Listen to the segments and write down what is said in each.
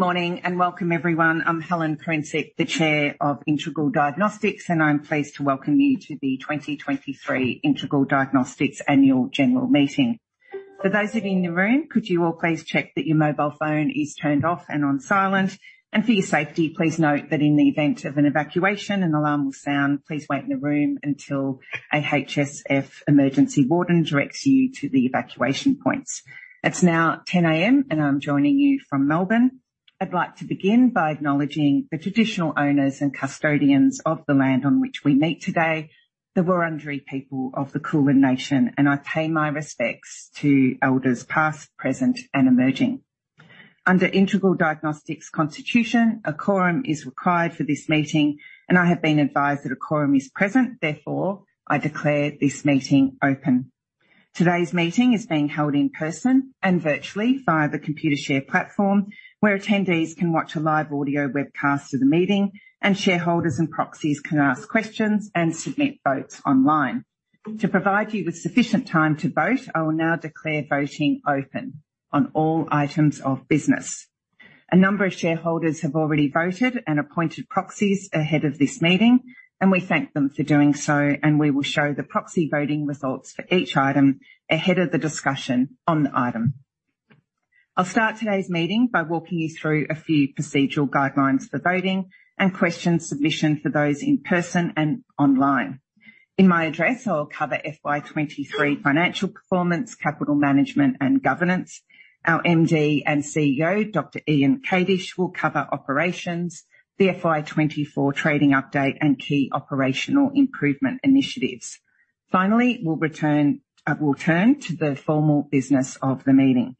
Good morning, and welcome, everyone. I'm Helen Kurincic, the Chair of Integral Diagnostics, and I'm pleased to welcome you to the 2023 Integral Diagnostics Annual General Meeting. For those of you in the room, could you all please check that your mobile phone is turned off and on silent? And for your safety, please note that in the event of an evacuation, an alarm will sound. Please wait in the room until a HSF emergency warden directs you to the evacuation points. It's now 10 A.M., and I'm joining you from Melbourne. I'd like to begin by acknowledging the traditional owners and custodians of the land on which we meet today, the Wurundjeri people of the Kulin Nation, and I pay my respects to elders past, present, and emerging. Under Integral Diagnostics' constitution, a quorum is required for this meeting, and I have been advised that a quorum is present. Therefore, I declare this meeting open. Today's meeting is being held in person and virtually via the Computershare platform, where attendees can watch a live audio webcast of the meeting, and shareholders and proxies can ask questions and submit votes online. To provide you with sufficient time to vote, I will now declare voting open on all items of business. A number of shareholders have already voted and appointed proxies ahead of this meeting, and we thank them for doing so, and we will show the proxy voting results for each item ahead of the discussion on the item. I'll start today's meeting by walking you through a few procedural guidelines for voting and question submission for those in person and online. In my address, I'll cover FY 2023 financial performance, capital management, and governance. Our MD and CEO, Dr. Ian Kadish, will cover operations, the FY 2024 trading update, and key operational improvement initiatives. Finally, we'll return, we'll turn to the formal business of the meeting.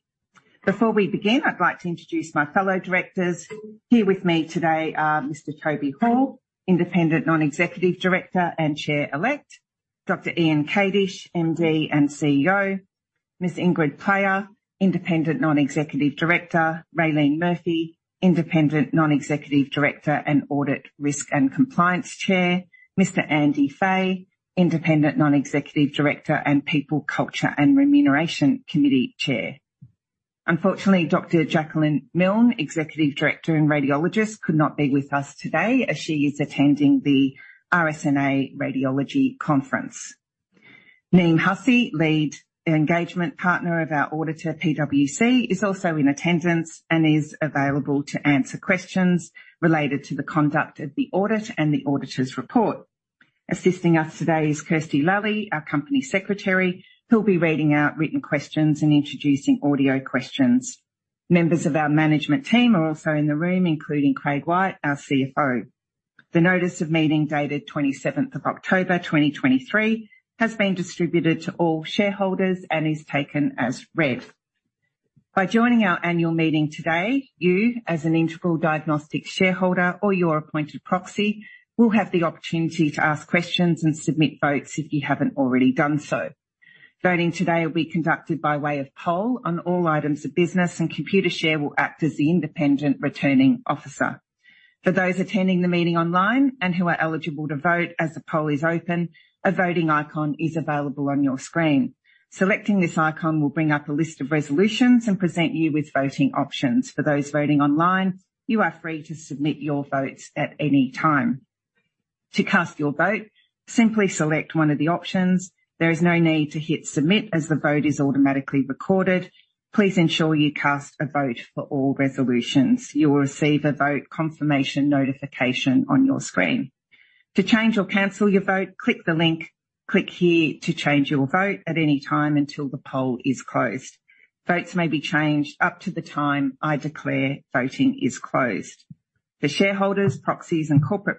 Before we begin, I'd like to introduce my fellow directors. Here with me today are Mr Toby Hall, Independent Non-Executive Director and Chair Elect, Dr. Ian Kadish, MD and CEO, Ms Ingrid Player, Independent Non-Executive Director, Raelene Murphy, Independent Non-Executive Director, and Audit, Risk, and Compliance Chair, Mr Andy Fay, Independent Non-Executive Director and People, Culture, and Remuneration Committee Chair. Unfortunately, Dr. Jacqueline Milne, Executive Director and Radiologist, could not be with us today as she is attending the RSNA Radiology Conference. Niamh Hussey, Lead Engagement Partner of our auditor, PwC, is also in attendance and is available to answer questions related to the conduct of the audit and the auditor's report. Assisting us today is Kirsty Lally, our Company Secretary, who'll be reading out written questions and introducing audio questions. Members of our management team are also in the room, including Craig White, our CFO. The notice of meeting, dated 27th of October, 2023, has been distributed to all shareholders and is taken as read. By joining our annual meeting today, you, as an Integral Diagnostics shareholder or your appointed proxy, will have the opportunity to ask questions and submit votes if you haven't already done so. Voting today will be conducted by way of poll on all items of business, and Computershare will act as the independent returning officer. For those attending the meeting online and who are eligible to vote, as the poll is open, a voting icon is available on your screen. Selecting this icon will bring up a list of resolutions and present you with voting options. For those voting online, you are free to submit your votes at any time. To cast your vote, simply select one of the options. There is no need to hit Submit, as the vote is automatically recorded. Please ensure you cast a vote for all resolutions. You will receive a vote confirmation notification on your screen. To change or cancel your vote, click the link. Click here to change your vote at any time until the poll is closed. Votes may be changed up to the time I declare voting is closed. For shareholders, proxies, and corporate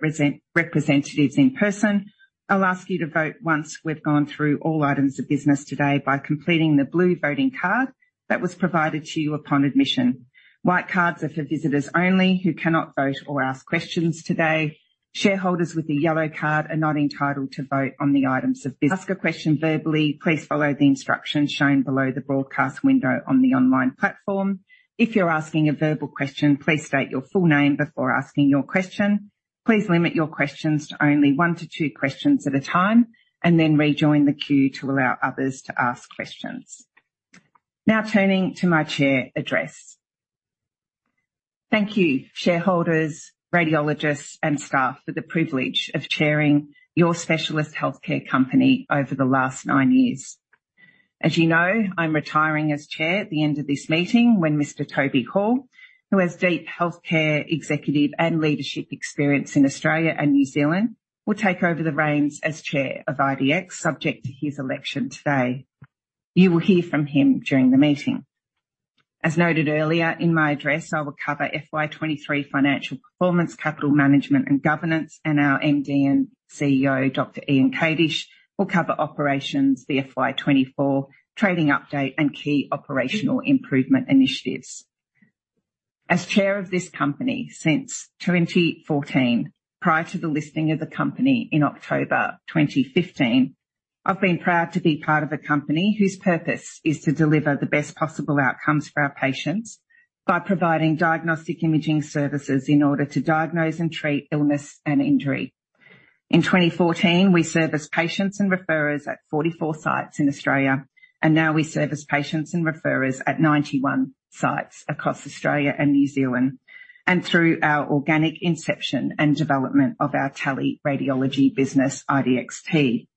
representatives in person, I'll ask you to vote once we've gone through all items of business today by completing the blue voting card that was provided to you upon admission. White cards are for visitors only who cannot vote or ask questions today. Shareholders with a yellow card are not entitled to vote on the items of business. Ask a question verbally, please follow the instructions shown below the broadcast window on the online platform. If you're asking a verbal question, please state your full name before asking your question. Please limit your questions to only one to two questions at a time, and then rejoin the queue to allow others to ask questions. Now turning to my chair address. Thank you, shareholders, radiologists, and staff, for the privilege of chairing your specialist healthcare company over the last nine years. As you know, I'm retiring as chair at the end of this meeting, when Mr. Toby Hall, who has deep healthcare executive and leadership experience in Australia and New Zealand, will take over the reins as Chair of IDX, subject to his election today. You will hear from him during the meeting. As noted earlier in my address, I will cover FY 2023 financial performance, capital management, and governance, and our MD and CEO, Dr. Ian Kadish, will cover operations, the FY 2024 trading update, and key operational improvement initiatives. As chair of this company since 2014, prior to the listing of the company in October 2015, I've been proud to be part of a company whose purpose is to deliver the best possible outcomes for our patients by providing diagnostic imaging services in order to diagnose and treat illness and injury.... In 2014, we serviced patients and referrers at 44 sites in Australia, and now we service patients and referrers at 91 sites across Australia and New Zealand, and through our organic inception and development of our telehealth radiology business, IDXT.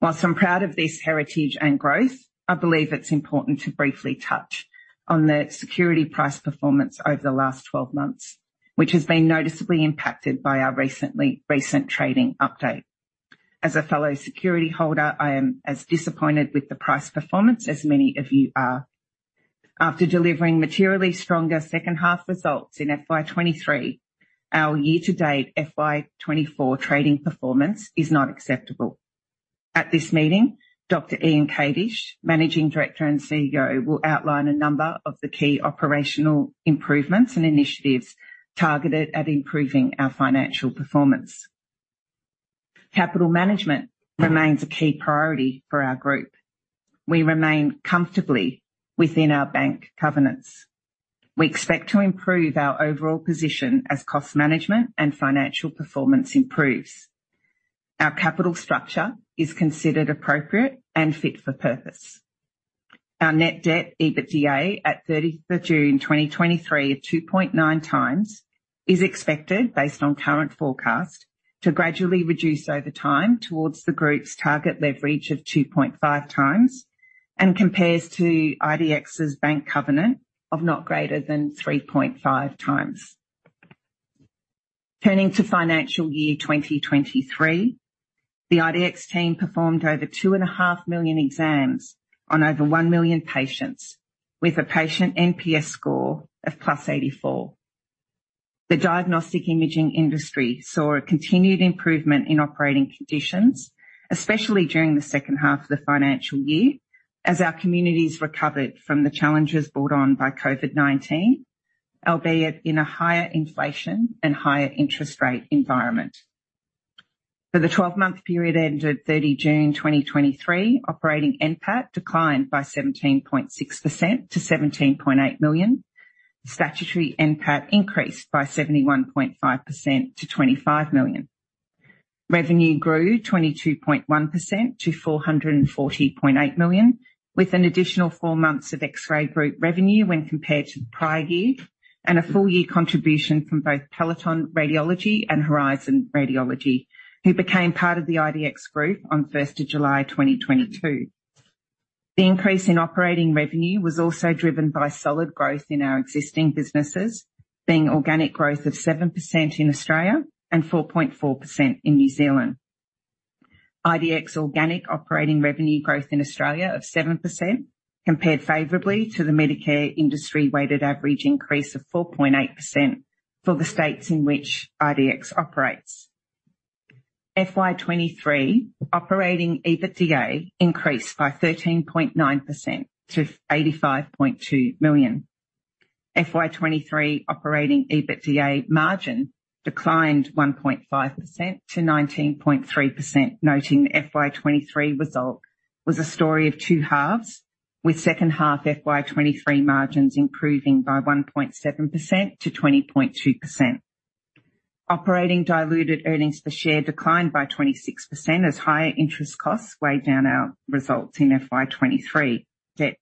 While I'm proud of this heritage and growth, I believe it's important to briefly touch on the share price performance over the last 12 months, which has been noticeably impacted by our recent trading update. As a fellow shareholder, I am as disappointed with the price performance as many of you are. After delivering materially stronger second half results in FY 2023, our year-to-date FY 2024 trading performance is not acceptable. At this meeting, Dr. Ian Kadish, Managing Director and CEO, will outline a number of the key operational improvements and initiatives targeted at improving our financial performance. Capital management remains a key priority for our group. We remain comfortably within our bank covenants. We expect to improve our overall position as cost management and financial performance improves. Our capital structure is considered appropriate and fit for purpose. Our net debt to EBITDA at 30 June 2023 of 2.9 times is expected, based on current forecast, to gradually reduce over time towards the group's target leverage of 2.5 times and compares to IDX's bank covenant of not greater than 3.5 times. Turning to financial year 2023, the IDX team performed over 2.5 million exams on over 1 million patients, with a patient NPS score of +84. The diagnostic imaging industry saw a continued improvement in operating conditions, especially during the second half of the financial year, as our communities recovered from the challenges brought on by COVID-19, albeit in a higher inflation and higher interest rate environment. For the twelve-month period ended 30 June 2023, operating NPAT declined by 17.6% to 17.8 million. Statutory NPAT increased by 71.5% to 25 million. Revenue grew 22.1% to 440.8 million, with an additional 4 months of X-Ray Group revenue when compared to the prior year, and a full year contribution from both Peloton Radiology and Horizon Radiology, who became part of the IDX group on 1 July 2022. The increase in operating revenue was also driven by solid growth in our existing businesses, seeing organic growth of 7% in Australia and 4.4% in New Zealand. IDX organic operating revenue growth in Australia of 7% compared favorably to the Medicare industry weighted average increase of 4.8% for the states in which IDX operates. FY 2023 operating EBITDA increased by 13.9% to 85.2 million. FY 2023 operating EBITDA margin declined 1.5% to 19.3%, noting the FY 2023 result was a story of two halves, with second half FY 2023 margins improving by 1.7% to 20.2%. Operating diluted earnings per share declined by 26% as higher interest costs weighed down our results in FY 2023. Debt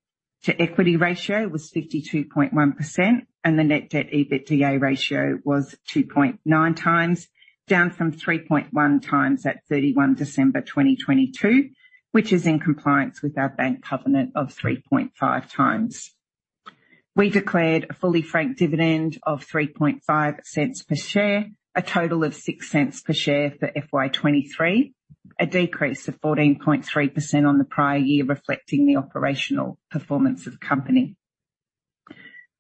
to equity ratio was 52.1%, and the net debt EBITDA ratio was 2.9 times, down from 3.1 times at 31 December 2022, which is in compliance with our bank covenant of 3.5 times. We declared a fully franked dividend of 0.035 per share, a total of 0.06 per share for FY 2023, a decrease of 14.3% on the prior year, reflecting the operational performance of the company.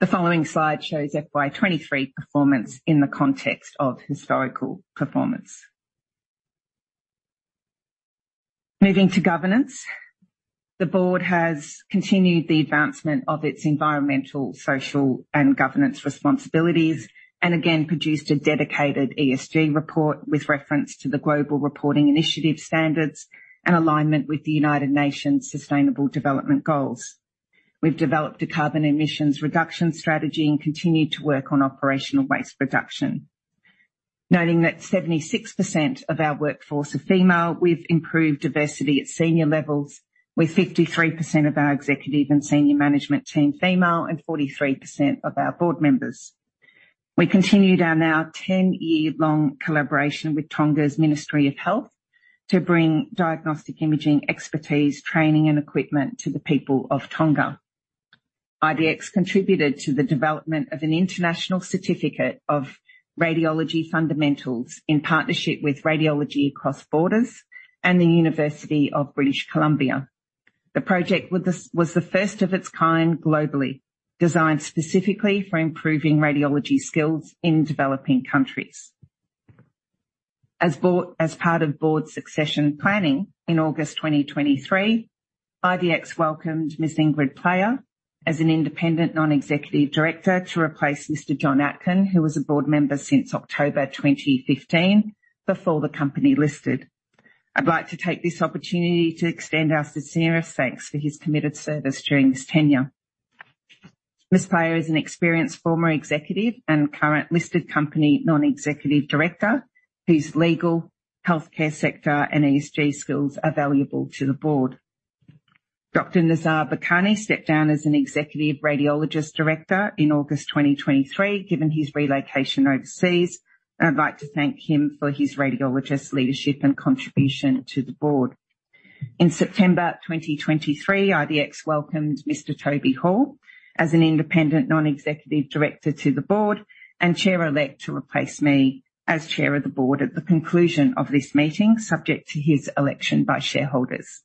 The following slide shows FY 2023 performance in the context of historical performance. Moving to governance. The board has continued the advancement of its environmental, social, and governance responsibilities and again produced a dedicated ESG report with reference to the Global Reporting Initiative Standards and alignment with the United Nations Sustainable Development Goals. We've developed a carbon emissions reduction strategy and continued to work on operational waste reduction. Noting that 76% of our workforce are female, we've improved diversity at senior levels, with 53% of our executive and senior management team female and 43% of our board members. We continued our now 10-year-long collaboration with Tonga's Ministry of Health to bring diagnostic imaging expertise, training, and equipment to the people of Tonga. IDX contributed to the development of an international certificate of radiology fundamentals in partnership with Radiology Across Borders and the University of British Columbia. The project was the first of its kind globally, designed specifically for improving radiology skills in developing countries. As part of board succession planning in August 2023, IDX welcomed Ms. Ingrid Player as an independent non-executive director to replace Mr. John Atkin, who was a board member since October 2015, before the company listed. I'd like to take this opportunity to extend our sincerest thanks for his committed service during his tenure.... Ms. Player is an experienced former executive and current listed company non-executive director, whose legal, healthcare sector, and ESG skills are valuable to the board. Dr. Nazar Bokhari stepped down as an executive radiologist director in August 2023, given his relocation overseas, and I'd like to thank him for his radiologist leadership and contribution to the board. In September 2023, IDX welcomed Mr. Toby Hall as an independent non-executive director to the board, and chair-elect to replace me as chair of the board at the conclusion of this meeting, subject to his election by shareholders.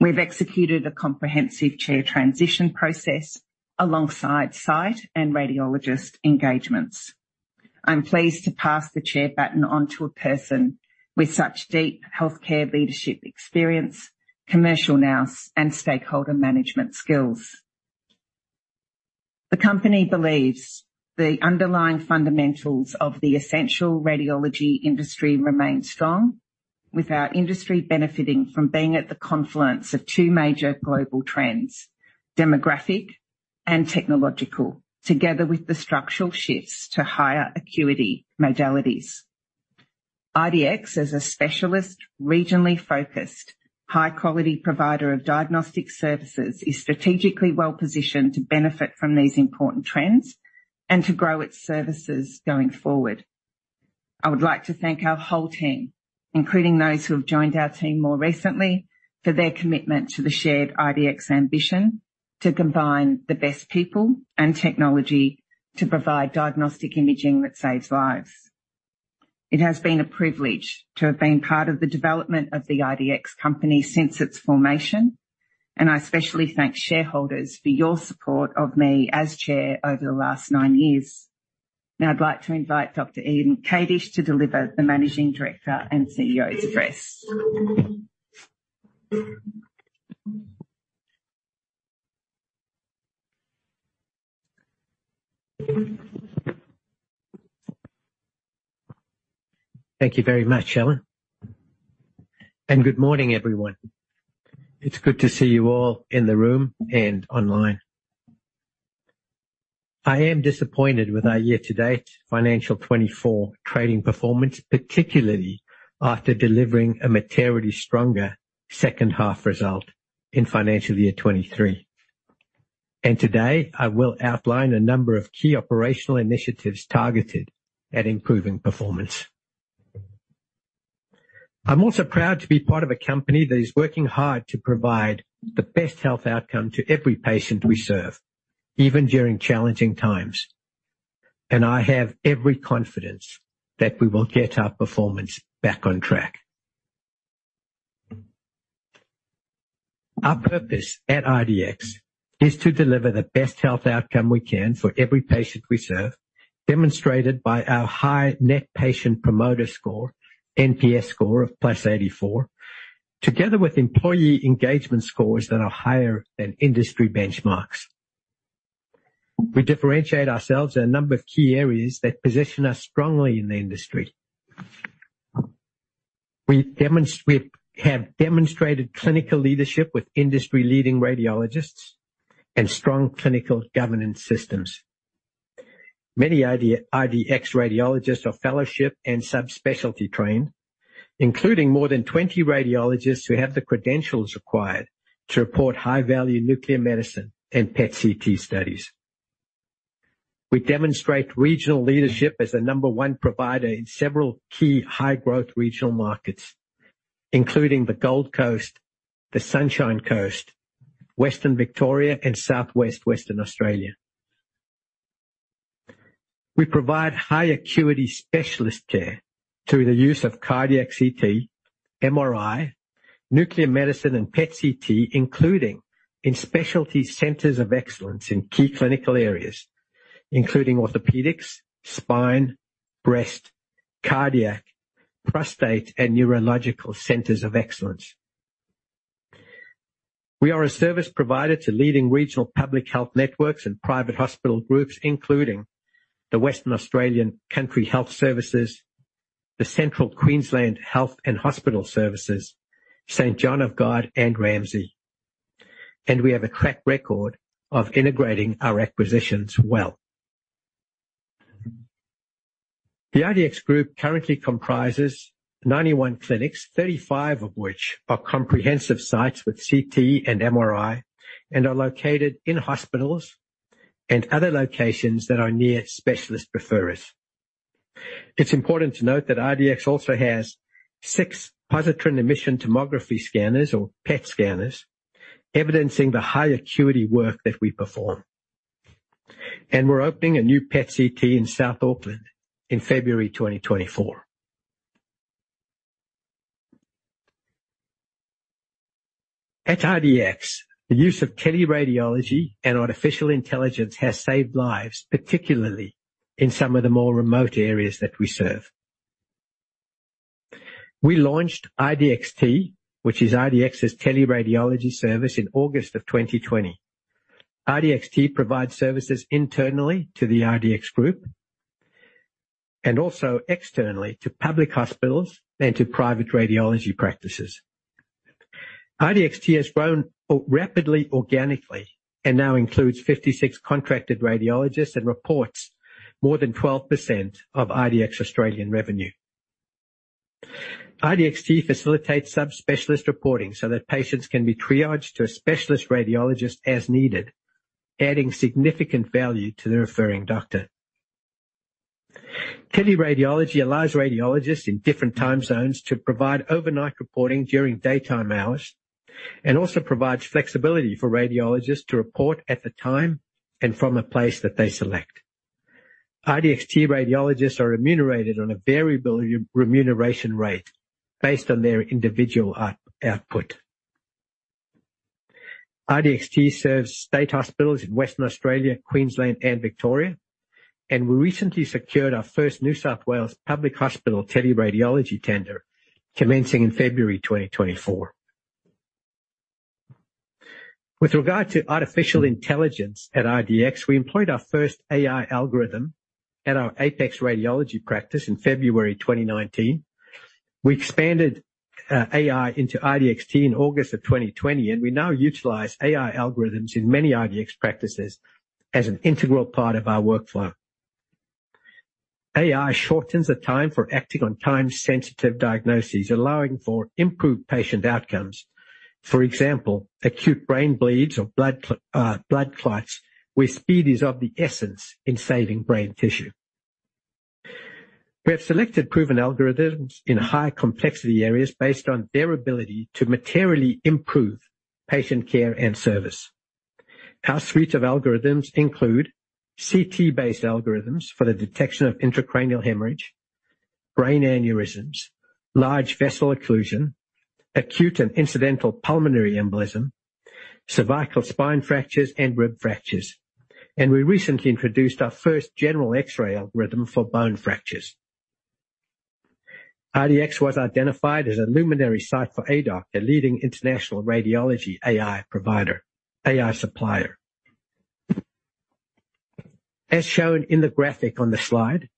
We've executed a comprehensive chair transition process alongside site and radiologist engagements. I'm pleased to pass the chair baton on to a person with such deep healthcare leadership experience, commercial nous, and stakeholder management skills. The company believes the underlying fundamentals of the essential radiology industry remain strong, with our industry benefiting from being at the confluence of two major global trends: demographic and technological, together with the structural shifts to higher acuity modalities. IDX, as a specialist, regionally focused, high-quality provider of diagnostic services, is strategically well-positioned to benefit from these important trends and to grow its services going forward. I would like to thank our whole team, including those who have joined our team more recently, for their commitment to the shared IDX ambition to combine the best people and technology to provide diagnostic imaging that saves lives. It has been a privilege to have been part of the development of the IDX company since its formation, and I especially thank shareholders for your support of me as chair over the last nine years. Now I'd like to invite Dr. Ian Kadish to deliver the Managing Director and CEO's address. Thank you very much, Helen, and good morning, everyone. It's good to see you all in the room and online. I am disappointed with our year-to-date financial 2024 trading performance, particularly after delivering a materially stronger second half result in financial year 2023. Today, I will outline a number of key operational initiatives targeted at improving performance. I'm also proud to be part of a company that is working hard to provide the best health outcome to every patient we serve, even during challenging times. I have every confidence that we will get our performance back on track. Our purpose at IDX is to deliver the best health outcome we can for every patient we serve, demonstrated by our high Net Promoter Score, NPS score of +84, together with employee engagement scores that are higher than industry benchmarks. We differentiate ourselves in a number of key areas that position us strongly in the industry. We have demonstrated clinical leadership with industry-leading radiologists and strong clinical governance systems. Many IDX radiologists are fellowship and subspecialty trained, including more than 20 radiologists who have the credentials required to report high-value nuclear medicine and PET/CT studies. We demonstrate regional leadership as the number one provider in several key high-growth regional markets, including the Gold Coast, the Sunshine Coast, Western Victoria, and Southwest Western Australia. We provide high-acuity specialist care through the use of cardiac CT, MRI, nuclear medicine, and PET/CT, including in specialty centers of excellence in key clinical areas including orthopedics, spine, breast, cardiac, prostate, and neurological centers of excellence. We are a service provider to leading regional public health networks and private hospital groups, including the Western Australian Country Health Service, the Central Queensland Hospital and Health Service, St John of God, and Ramsay. We have a track record of integrating our acquisitions well. The IDX group currently comprises 91 clinics, 35 of which are comprehensive sites with CT and MRI and are located in hospitals and other locations that are near specialist referrers. It's important to note that IDX also has six positron emission tomography scanners, or PET scanners, evidencing the high-acuity work that we perform. We're opening a new PET/CT in South Auckland in February 2024. At IDX, the use of teleradiology and artificial intelligence has saved lives, particularly in some of the more remote areas that we serve. We launched IDXT, which is IDX's teleradiology service, in August of 2020. IDXT provides services internally to the IDX group and also externally to public hospitals and to private radiology practices. IDXT has grown rapidly, organically, and now includes 56 contracted radiologists and reports more than 12% of IDX Australian revenue. IDXT facilitates subspecialist reporting so that patients can be triaged to a specialist radiologist as needed, adding significant value to the referring doctor. Teleradiology allows radiologists in different time zones to provide overnight reporting during daytime hours and also provides flexibility for radiologists to report at the time and from a place that they select. IDXT radiologists are remunerated on a variable remuneration rate based on their individual output. IDXT serves state hospitals in Western Australia, Queensland, and Victoria, and we recently secured our first New South Wales Public Hospital teleradiology tender, commencing in February 2024. With regard to artificial intelligence at IDX, we employed our first AI algorithm at our Apex Radiology practice in February 2019. We expanded AI into IDXT in August 2020, and we now utilize AI algorithms in many IDX practices as an integral part of our workflow. AI shortens the time for acting on time-sensitive diagnoses, allowing for improved patient outcomes. For example, acute brain bleeds or blood clots, where speed is of the essence in saving brain tissue. We have selected proven algorithms in higher complexity areas based on their ability to materially improve patient care and service. Our suite of algorithms include CT-based algorithms for the detection of intracranial hemorrhage, brain aneurysms, large vessel occlusion, acute and incidental pulmonary embolism, cervical spine fractures, and rib fractures. We recently introduced our first general X-ray algorithm for bone fractures. IDX was identified as a luminary site for Aidoc, a leading international radiology AI provider, AI supplier. As shown in the graphic on the slide,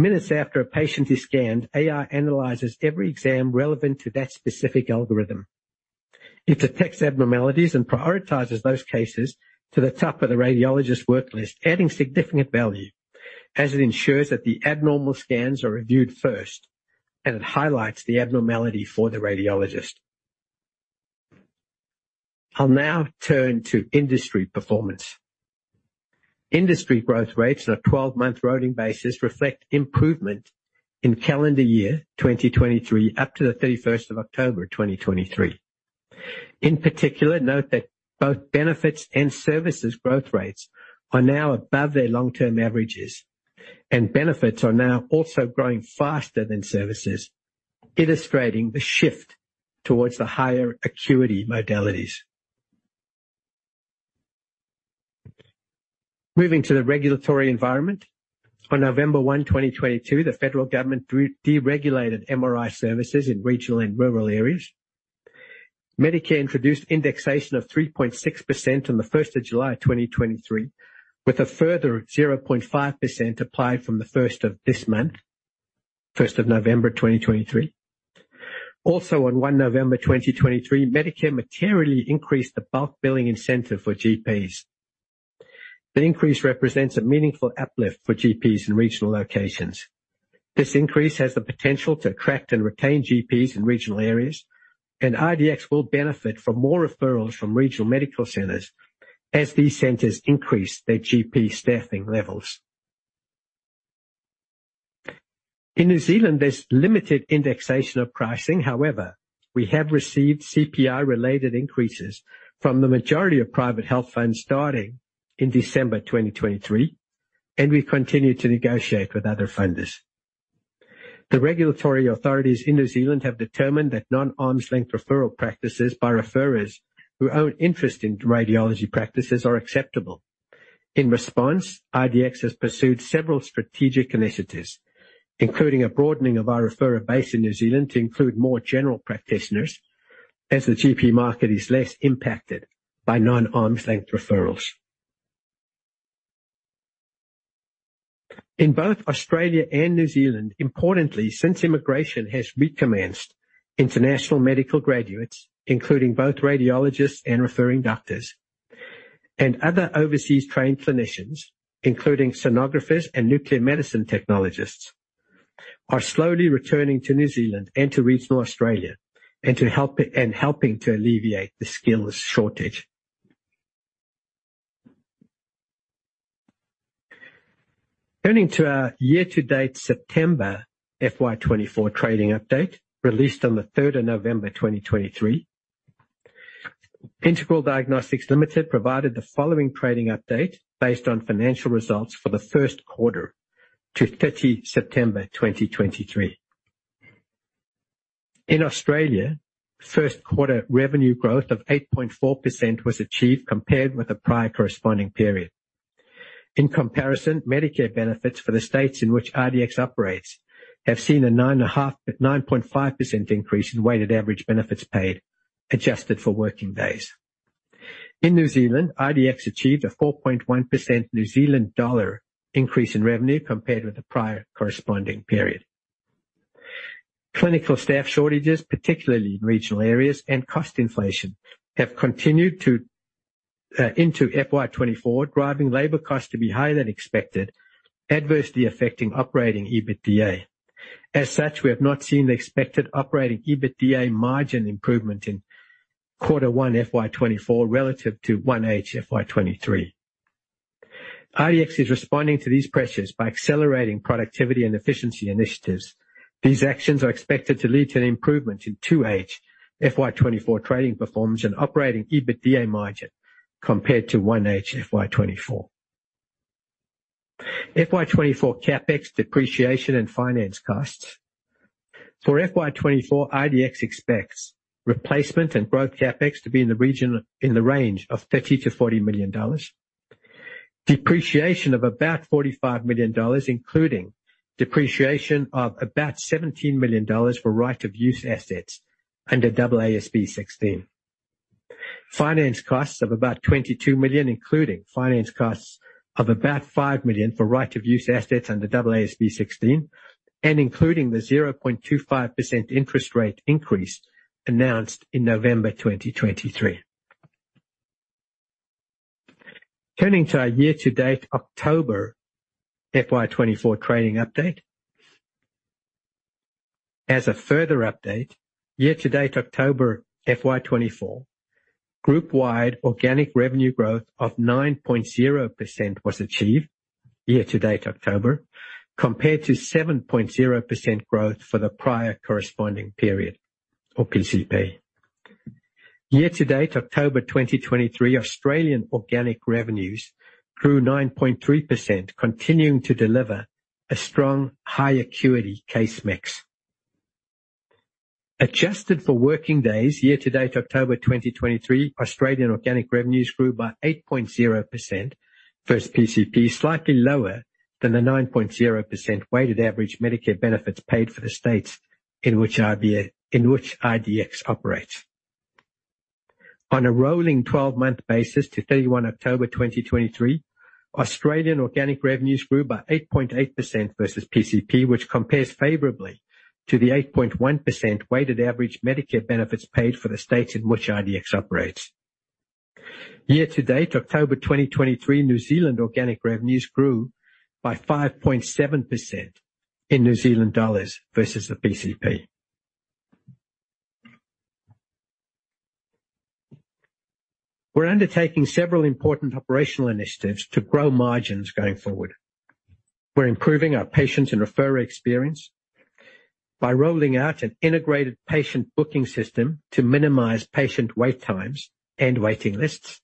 minutes after a patient is scanned, AI analyzes every exam relevant to that specific algorithm. It detects abnormalities and prioritizes those cases to the top of the radiologist work list, adding significant value as it ensures that the abnormal scans are reviewed first, and it highlights the abnormality for the radiologist. I'll now turn to industry performance. Industry growth rates on a 12-month rolling basis reflect improvement in calendar year 2023, up to October 31, 2023. In particular, note that both benefits and services growth rates are now above their long-term averages, and benefits are now also growing faster than services, illustrating the shift towards the higher acuity modalities. Moving to the regulatory environment. On November 1, 2022, the federal government deregulated MRI services in regional and rural areas. Medicare introduced indexation of 3.6% on July 1, 2023, with a further 0.5% applied from the first of this month, November 1, 2023. Also on 1 November, 2023, Medicare materially increased the bulk billing incentive for GPs. The increase represents a meaningful uplift for GPs in regional locations. This increase has the potential to attract and retain GPs in regional areas, and IDX will benefit from more referrals from regional medical centers as these centers increase their GP staffing levels. In New Zealand, there's limited indexation of pricing. However, we have received CPI-related increases from the majority of private health funds starting in December 2023, and we continue to negotiate with other funders. The regulatory authorities in New Zealand have determined that non-arm's length referral practices by referrers who own interest in radiology practices are acceptable. In response, IDX has pursued several strategic initiatives, including a broadening of our referrer base in New Zealand to include more general practitioners, as the GP market is less impacted by non-arm's length referrals. In both Australia and New Zealand, importantly, since immigration has recommenced, international medical graduates, including both radiologists and referring doctors, and other overseas trained clinicians, including sonographers and nuclear medicine technologists, are slowly returning to New Zealand and to regional Australia and helping to alleviate the skills shortage. Turning to our year-to-date September FY24 trading update, released on the third of November, 2023. Integral Diagnostics Limited provided the following trading update based on financial results for the first quarter to 30 September 2023. In Australia, first quarter revenue growth of 8.4% was achieved compared with the prior corresponding period. In comparison, Medicare benefits for the states in which IDX operates have seen a 9.5% increase in weighted average benefits paid, adjusted for working days. In New Zealand, IDX achieved a 4.1% New Zealand dollar increase in revenue compared with the prior corresponding period. Clinical staff shortages, particularly in regional areas and cost inflation, have continued into FY 2024, driving labor costs to be higher than expected, adversely affecting operating EBITDA. As such, we have not seen the expected operating EBITDA margin improvement in quarter 1 FY 2024 relative to 1H FY 2023. IDX is responding to these pressures by accelerating productivity and efficiency initiatives. These actions are expected to lead to an improvement in 2H FY 2024 trading performance and operating EBITDA margin compared to 1H FY 2024. FY 2024 CapEx depreciation and finance costs. For FY 2024, IDX expects replacement and growth CapEx to be in the range of 30 million-40 million dollars. Depreciation of about 45 million dollars, including depreciation of about 17 million dollars for right-of-use assets under AASB 16. Finance costs of about 22 million, including finance costs of about 5 million for right-of-use assets under AASB 16 and including the 0.25% interest rate increase announced in November 2023. Turning to our year-to-date October FY 2024 trading update. As a further update, year-to-date October FY 2024, group-wide organic revenue growth of 9.0% was achieved year-to-date October, compared to 7.0% growth for the prior corresponding period or PCP. Year-to-date October 2023, Australian organic revenues grew 9.3%, continuing to deliver a strong, high acuity case mix. Adjusted for working days, year-to-date October 2023, Australian organic revenues grew by 8.0% versus PCP, slightly lower than the 9.0% weighted average Medicare benefits paid for the states in which IDX operates. On a rolling 12-month basis to 31 October 2023, Australian organic revenues grew by 8.8% versus PCP, which compares favorably to the 8.1% weighted average Medicare benefits paid for the states in which IDX operates. Year-to-date October 2023, New Zealand organic revenues grew by 5.7% in New Zealand dollars versus the PCP. We're undertaking several important operational initiatives to grow margins going forward. We're improving our patients and referrer experience by rolling out an integrated patient booking system to minimize patient wait times and waiting lists.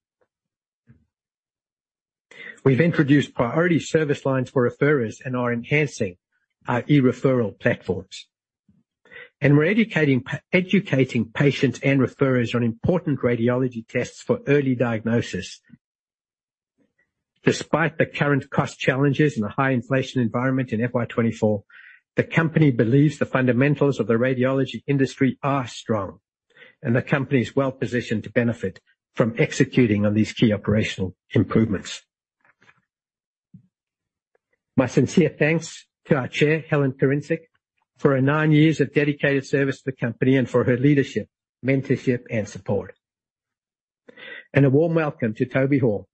We've introduced priority service lines for referrers and are enhancing our e-referral platforms. And we're educating patients and referrers on important radiology tests for early diagnosis. Despite the current cost challenges and the high inflation environment in FY 2024, the company believes the fundamentals of the radiology industry are strong, and the company is well positioned to benefit from executing on these key operational improvements. My sincere thanks to our chair, Helen Kurincic, for her nine years of dedicated service to the company and for her leadership, mentorship, and support. A warm welcome to Toby Hall,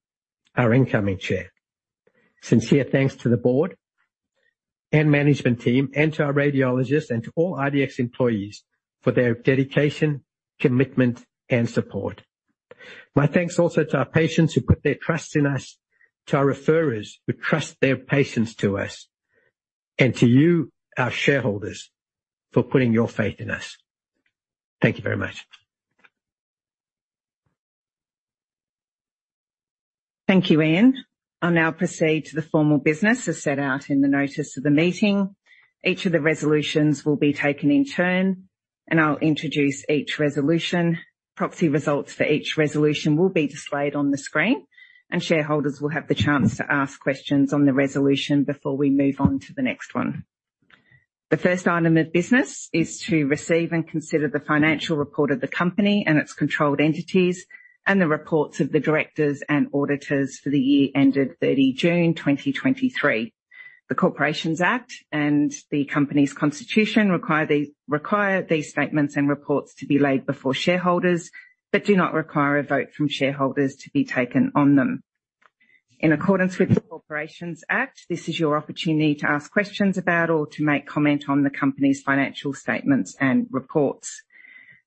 our incoming Chair. Sincere thanks to the board and management team, and to our radiologists, and to all IDX employees for their dedication, commitment, and support. My thanks also to our patients who put their trust in us, to our referrers who trust their patients to us, and to you, our shareholders, for putting your faith in us. Thank you very much. Thank you, Ian. I'll now proceed to the formal business as set out in the notice of the meeting. Each of the resolutions will be taken in turn, and I'll introduce each resolution. Proxy results for each resolution will be displayed on the screen, and shareholders will have the chance to ask questions on the resolution before we move on to the next one. The first item of business is to receive and consider the financial report of the company and its controlled entities, and the reports of the directors and auditors for the year ended 30 June 2023. The Corporations Act and the company's constitution require these statements and reports to be laid before shareholders, but do not require a vote from shareholders to be taken on them. In accordance with the Corporations Act, this is your opportunity to ask questions about or to make comment on the company's financial statements and reports.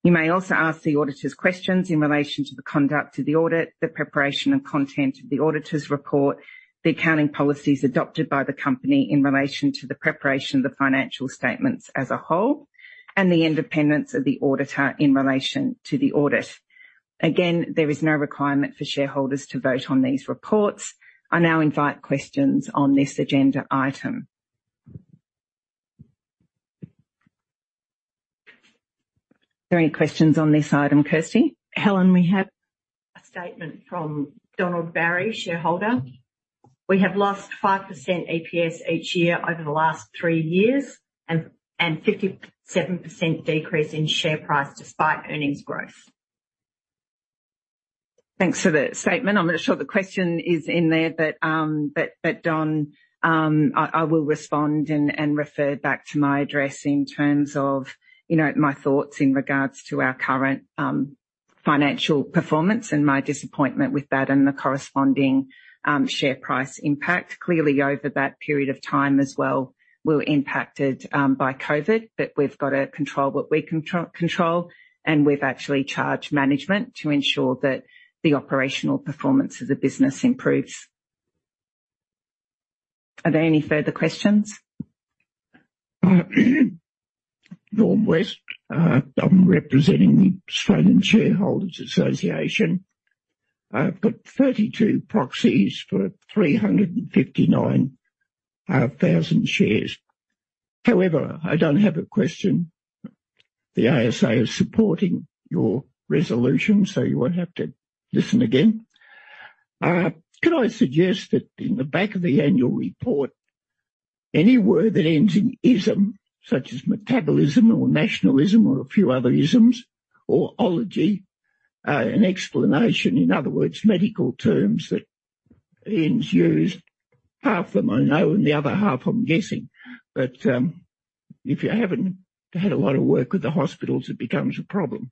You may also ask the auditors questions in relation to the conduct of the audit, the preparation and content of the auditor's report, the accounting policies adopted by the company in relation to the preparation of the financial statements as a whole, and the independence of the auditor in relation to the audit. Again, there is no requirement for shareholders to vote on these reports. I now invite questions on this agenda item. Are there any questions on this item, Kirsty? Helen, we have a statement from Donald Barry, shareholder. We have lost 5% EPS each year over the last three years and 57% decrease in share price despite earnings growth. Thanks for the statement. I'm not sure the question is in there, but Don, I will respond and refer back to my address in terms of, you know, my thoughts in regards to our current, financial performance and my disappointment with that and the corresponding, share price impact. Clearly, over that period of time as well, we were impacted, by COVID, but we've got to control what we control, and we've actually charged management to ensure that the operational performance of the business improves. Are there any further questions? Norm West. I'm representing the Australian Shareholders Association. I've got 32 proxies for 359,000 shares. However, I don't have a question. The ASA is supporting your resolution, so you won't have to listen again. Could I suggest that in the back of the annual report, any word that ends in ism, such as metabolism or nationalism or a few other isms orology, an explanation, in other words, medical terms that ends used, half of them I know, and the other half I'm guessing. But if you haven't had a lot of work with the hospitals, it becomes a problem.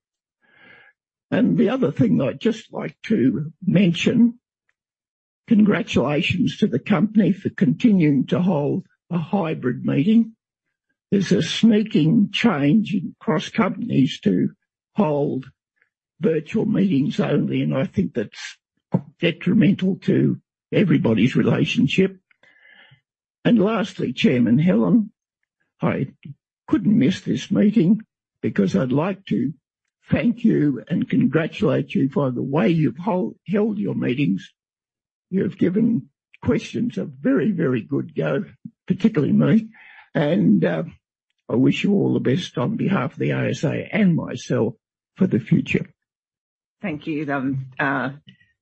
And the other thing I'd just like to mention, congratulations to the company for continuing to hold a hybrid meeting. There's a sneaking change in cross companies to hold virtual meetings only, and I think that's detrimental to everybody's relationship. And lastly, Chairman Helen, I couldn't miss this meeting because I'd like to thank you and congratulate you for the way you've held your meetings. You have given questions a very, very good go, particularly me, and I wish you all the best on behalf of the ASA and myself for the future. Thank you.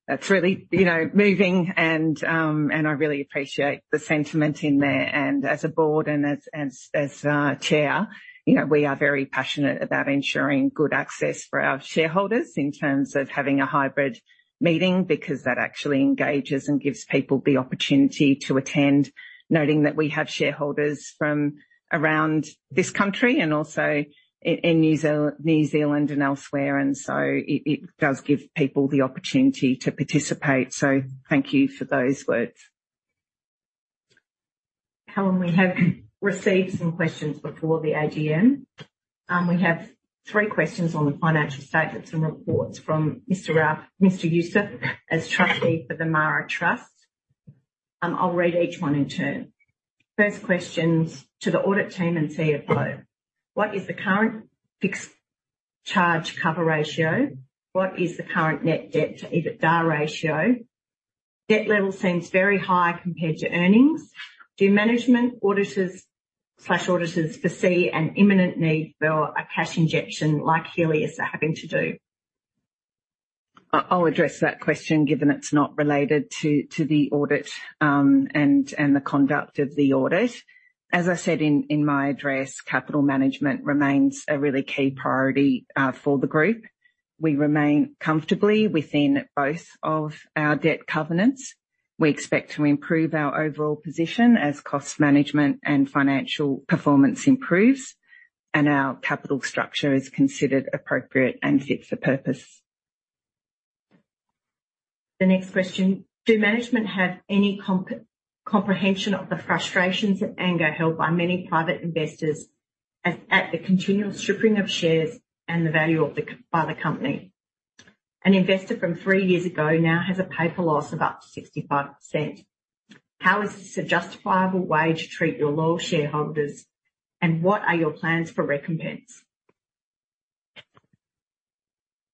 That's really, you know, moving and, and I really appreciate the sentiment in there, and as a board and as chair, you know, we are very passionate about ensuring good access for our shareholders in terms of having a hybrid meeting, because that actually engages and gives people the opportunity to attend. Noting that we have shareholders from around this country and also in New Zealand and elsewhere, and so it does give people the opportunity to participate. Thank you for those words. Helen, we have received some questions before the AGM. We have three questions on the financial statements and reports from Mr. Yusuf, as trustee for the Maara Trust. I'll read each one in turn. First questions to the audit team and CFO: What is the current fixed charge cover ratio? What is the current Net Debt to EBITDA Ratio? Debt level seems very high compared to earnings. Do management auditors, slash, auditors foresee an imminent need for a cash injection like Healius are having to do? I'll address that question, given it's not related to the audit, and the conduct of the audit. As I said in my address, capital management remains a really key priority for the group. We remain comfortably within both of our debt covenants. We expect to improve our overall position as cost management and financial performance improves, and our capital structure is considered appropriate and fits the purpose. The next question: Do management have any comprehension of the frustrations and anger held by many private investors at the continual stripping of shares and the value of the... by the company? An investor from three years ago now has a paper loss of up to 65%. How is this a justifiable way to treat your loyal shareholders, and what are your plans for recompense?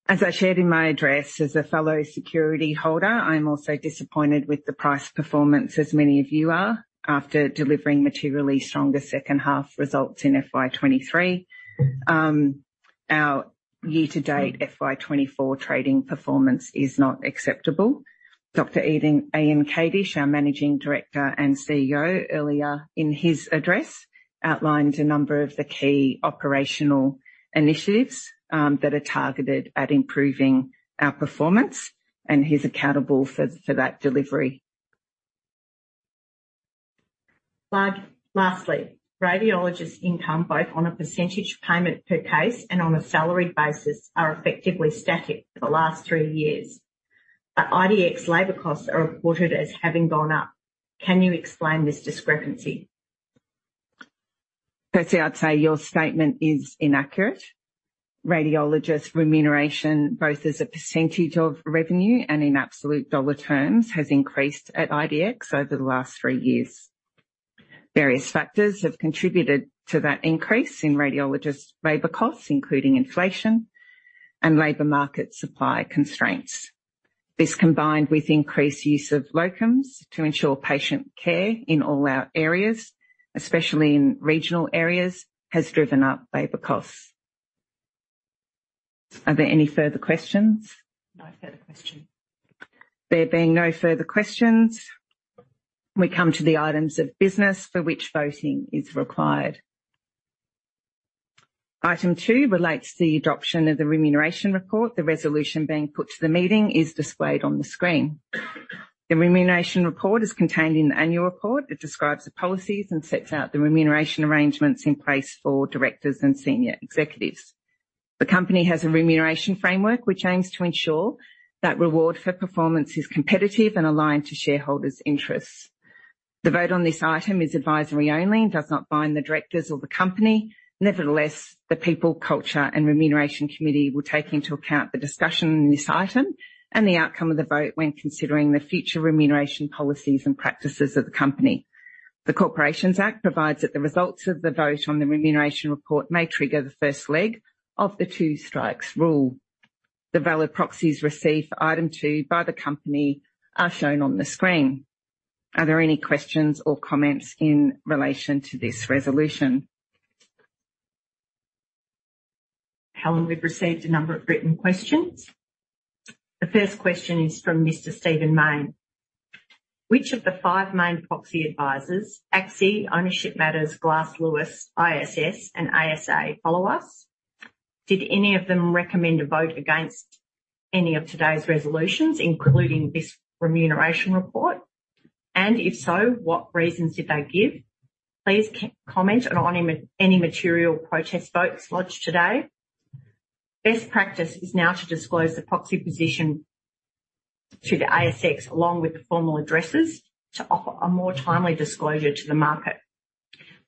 As I shared in my address, as a fellow security holder, I am also disappointed with the price performance, as many of you are, after delivering materially stronger second-half results in FY 2023. Our year-to-date FY 2024 trading performance is not acceptable. Dr. Ian Kadish, our Managing Director and CEO, earlier in his address, outlined a number of the key operational initiatives that are targeted at improving our performance, and he's accountable for that delivery. Lastly, radiologists' income, both on a percentage payment per case and on a salary basis, are effectively static for the last three years, but IDX labor costs are reported as having gone up. Can you explain this discrepancy? Firstly, I'd say your statement is inaccurate. Radiologist remuneration, both as a percentage of revenue and in absolute dollar terms, has increased at IDX over the last three years. Various factors have contributed to that increase in radiologist labor costs, including inflation and labor market supply constraints. This, combined with increased use of locums to ensure patient care in all our areas, especially in regional areas, has driven up labor costs.... Are there any further questions? No further question. There being no further questions, we come to the items of business for which voting is required. Item two relates to the adoption of the remuneration report. The resolution being put to the meeting is displayed on the screen. The remuneration report is contained in the annual report. It describes the policies and sets out the remuneration arrangements in place for directors and senior executives. The company has a remuneration framework, which aims to ensure that reward for performance is competitive and aligned to shareholders' interests. The vote on this item is advisory only and does not bind the directors or the company. Nevertheless, the People, Culture and Remuneration Committee will take into account the discussion on this item and the outcome of the vote when considering the future remuneration policies and practices of the company. The Corporations Act provides that the results of the vote on the remuneration report may trigger the first leg of the two-strikes rule. The valid proxies received for item two by the company are shown on the screen. Are there any questions or comments in relation to this resolution? Helen, we've received a number of written questions. The first question is from Mr. Stephen Mayne: Which of the five main proxy advisors, ACSI, Ownership Matters, Glass Lewis, ISS, and ASA, follow us? Did any of them recommend a vote against any of today's resolutions, including this remuneration report, and if so, what reasons did they give? Please comment on any material protest votes lodged today. Best practice is now to disclose the proxy position to the ASX, along with the formal addresses, to offer a more timely disclosure to the market.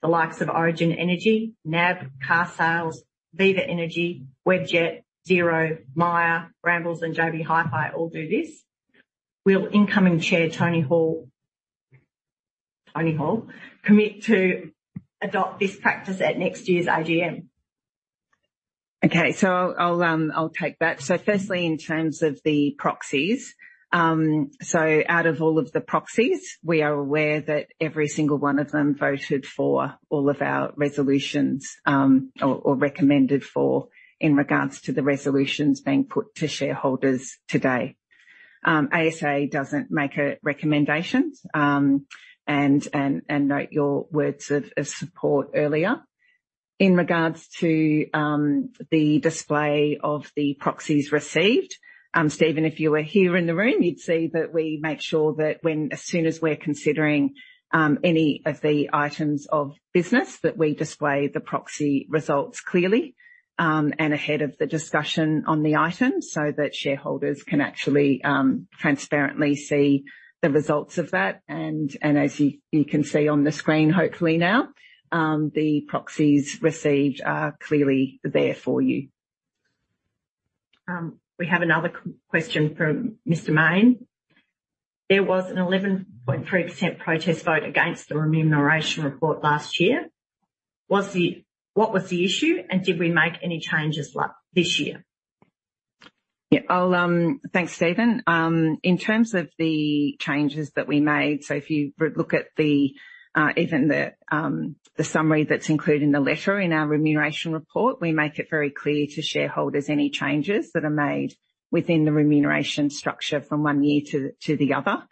The likes of Origin Energy, NAB, Carsales, Viva Energy, Webjet, Xero, Myer, Brambles, and JB Hi-Fi all do this. Will incoming Chair Toby Hall, Toby Hall, commit to adopt this practice at next year's AGM? Okay, so I'll take that. So firstly, in terms of the proxies, so out of all of the proxies, we are aware that every single one of them voted for all of our resolutions, or recommended for in regards to the resolutions being put to shareholders today. ASA doesn't make recommendations, and note your words of support earlier. In regards to the display of the proxies received, Stephen, if you were here in the room, you'd see that we make sure that as soon as we're considering any of the items of business, that we display the proxy results clearly and ahead of the discussion on the item, so that shareholders can actually transparently see the results of that. As you can see on the screen, hopefully now, the proxies received are clearly there for you. We have another question from Mr. Maine. There was an 11.3% protest vote against the remuneration report last year. What was the issue, and did we make any changes this year? Yeah, I'll. Thanks, Stephen. In terms of the changes that we made, so if you look at the even the summary that's included in the letter in our remuneration report, we make it very clear to shareholders any changes that are made within the remuneration structure from one year to the other.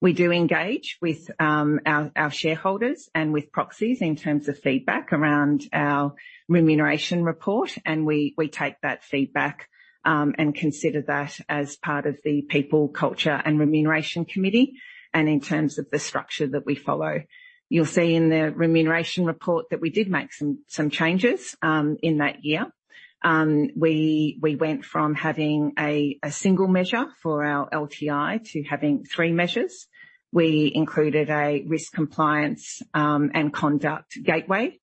We do engage with our shareholders and with proxies in terms of feedback around our remuneration report, and we take that feedback and consider that as part of the People, Culture, and Remuneration Committee, and in terms of the structure that we follow. You'll see in the remuneration report that we did make some changes in that year. We went from having a single measure for our LTI to having three measures. We included a risk, compliance, and conduct gateway,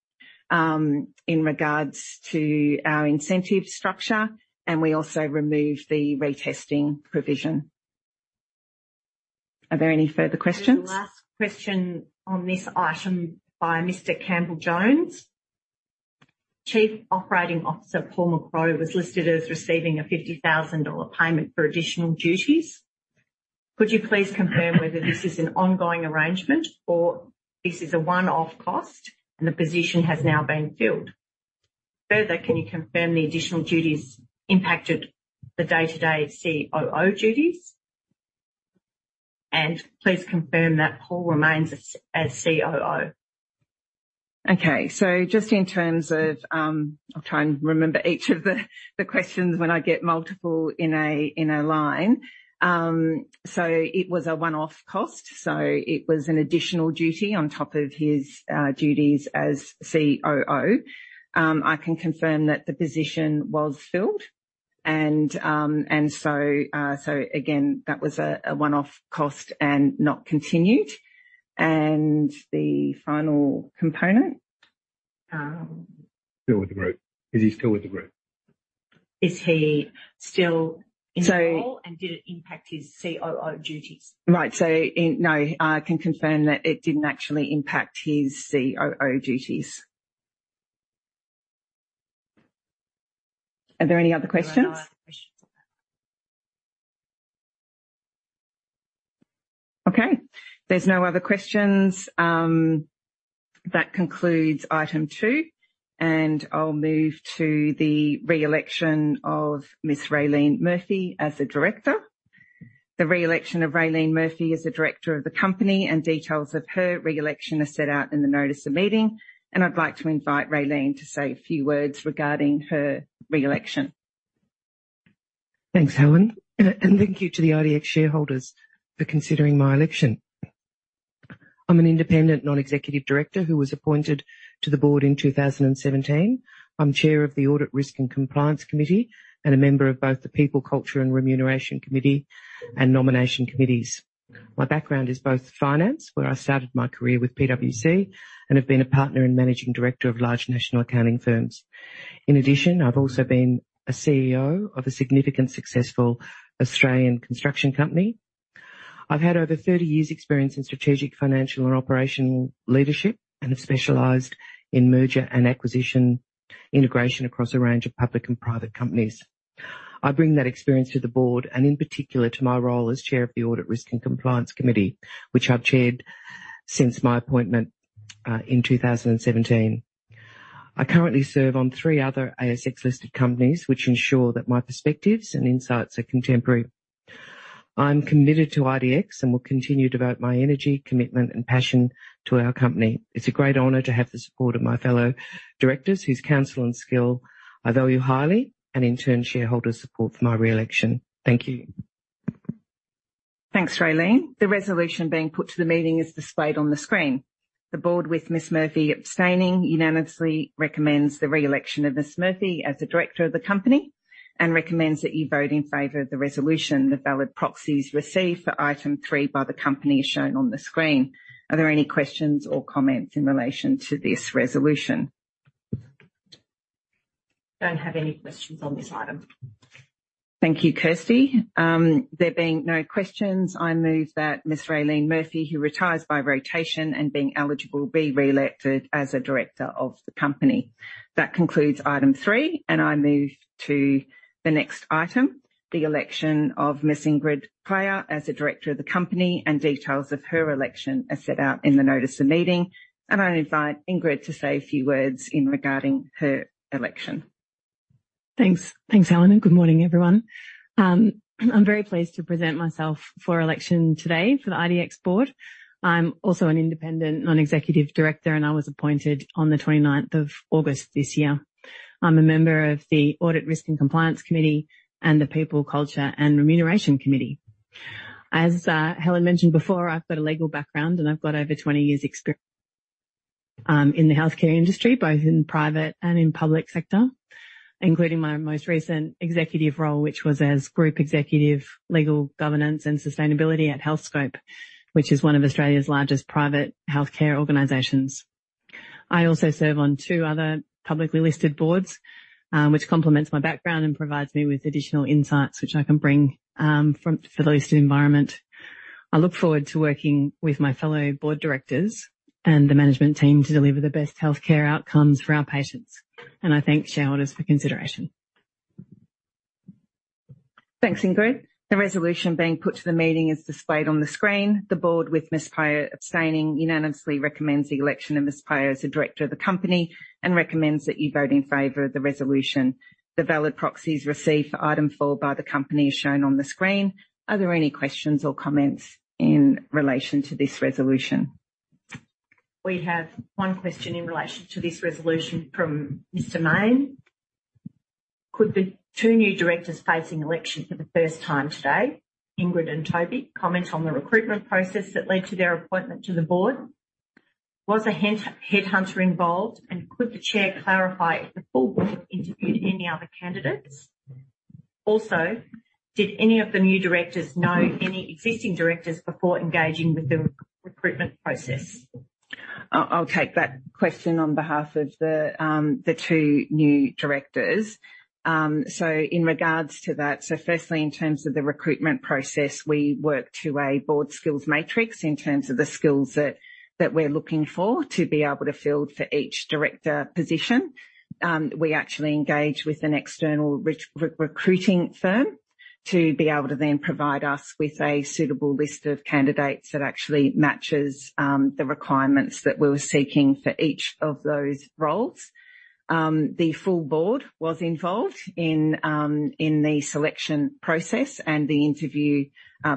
in regards to our incentive structure, and we also removed the retesting provision. Are there any further questions? The last question on this item by Mr. Campbell Jones: Chief Operating Officer Paul McCrow was listed as receiving a 50,000 dollar payment for additional duties. Could you please confirm whether this is an ongoing arrangement or this is a one-off cost and the position has now been filled? Further, can you confirm the additional duties impacted the day-to-day COO duties? And please confirm that Paul remains as COO. Okay, so just in terms of, I'll try and remember each of the questions when I get multiple in a line. So it was a one-off cost, so it was an additional duty on top of his duties as COO. I can confirm that the position was filled, and so again, that was a one-off cost and not continued. And the final component? Still with the group. Is he still with the group? Is he still in role? So- And did it impact his COO duties? Right. So in, no, I can confirm that it didn't actually impact his COO duties. Are there any other questions? Okay, there's no other questions. That concludes item two, and I'll move to the re-election of Ms. Raelene Murphy as a director. The re-election of Raelene Murphy as a director of the company, and details of her re-election are set out in the notice of meeting, and I'd like to invite Raelene to say a few words regarding her re-election. Thanks, Helen, and thank you to the IDX shareholders for considering my election. I'm an independent non-executive director who was appointed to the board in 2017. I'm Chair of the Audit, Risk, and Compliance Committee and a member of both the People, Culture, and Remuneration Committee and Nomination Committees. My background is both finance, where I started my career with PwC and have been a partner and managing director of large national accounting firms. In addition, I've also been a CEO of a significant successful Australian construction company. I've had over 30 years experience in strategic, financial, and operational leadership and have specialized in merger and acquisition integration across a range of public and private companies. I bring that experience to the board and in particular to my role as Chair of the Audit, Risk, and Compliance Committee, which I've chaired since my appointment in 2017. I currently serve on three other ASX-listed companies, which ensure that my perspectives and insights are contemporary. I'm committed to IDX and will continue to devote my energy, commitment, and passion to our company. It's a great honor to have the support of my fellow directors, whose counsel and skill I value highly, and in turn, shareholders' support for my re-election. Thank you. Thanks, Raelene. The resolution being put to the meeting is displayed on the screen. The board, with Ms. Murphy abstaining, unanimously recommends the re-election of Ms. Murphy as a director of the company and recommends that you vote in favor of the resolution. The valid proxies received for item three by the company are shown on the screen. Are there any questions or comments in relation to this resolution? Don't have any questions on this item. Thank you, Kirsty. There being no questions, I move that Ms. Raelene Murphy, who retires by rotation and being eligible, be re-elected as a director of the company. That concludes item three, and I move to the next item, the election of Ms. Ingrid Player as a director of the company, and details of her election are set out in the notice of meeting, and I invite Ingrid to say a few words in regarding her election. Thanks. Thanks, Helen, and good morning, everyone. I'm very pleased to present myself for election today for the IDX board. I'm also an independent non-executive director, and I was appointed on the twenty-ninth of August this year. I'm a member of the Audit, Risk, and Compliance Committee and the People, Culture, and Remuneration Committee. As Helen mentioned before, I've got a legal background, and I've got over 20 years experience in the healthcare industry, both in private and in public sector, including my most recent executive role, which was as Group Executive, Legal, Governance, and Sustainability at Healthscope, which is one of Australia's largest private healthcare organizations. I also serve on two other publicly listed boards, which complements my background and provides me with additional insights which I can bring from for the listed environment. I look forward to working with my fellow board directors and the management team to deliver the best healthcare outcomes for our patients, and I thank shareholders for consideration. Thanks, Ingrid. The resolution being put to the meeting is displayed on the screen. The board, with Ms. Player abstaining, unanimously recommends the election of Ms. Player as a director of the company and recommends that you vote in favor of the resolution. The valid proxies received for item four by the company are shown on the screen. Are there any questions or comments in relation to this resolution? We have one question in relation to this resolution from Mr. Maine. Could the two new directors facing election for the first time today, Ingrid and Toby, comment on the recruitment process that led to their appointment to the board? Was a headhunter involved, and could the chair clarify if the full board interviewed any other candidates? Also, did any of the new directors know any existing directors before engaging with the recruitment process? I'll take that question on behalf of the, the two new directors. So in regards to that, so firstly, in terms of the recruitment process, we work to a board skills matrix in terms of the skills that we're looking for to be able to fill for each director position. We actually engage with an external recruiting firm to be able to then provide us with a suitable list of candidates that actually matches, the requirements that we were seeking for each of those roles. The full board was involved in, in the selection process and the interview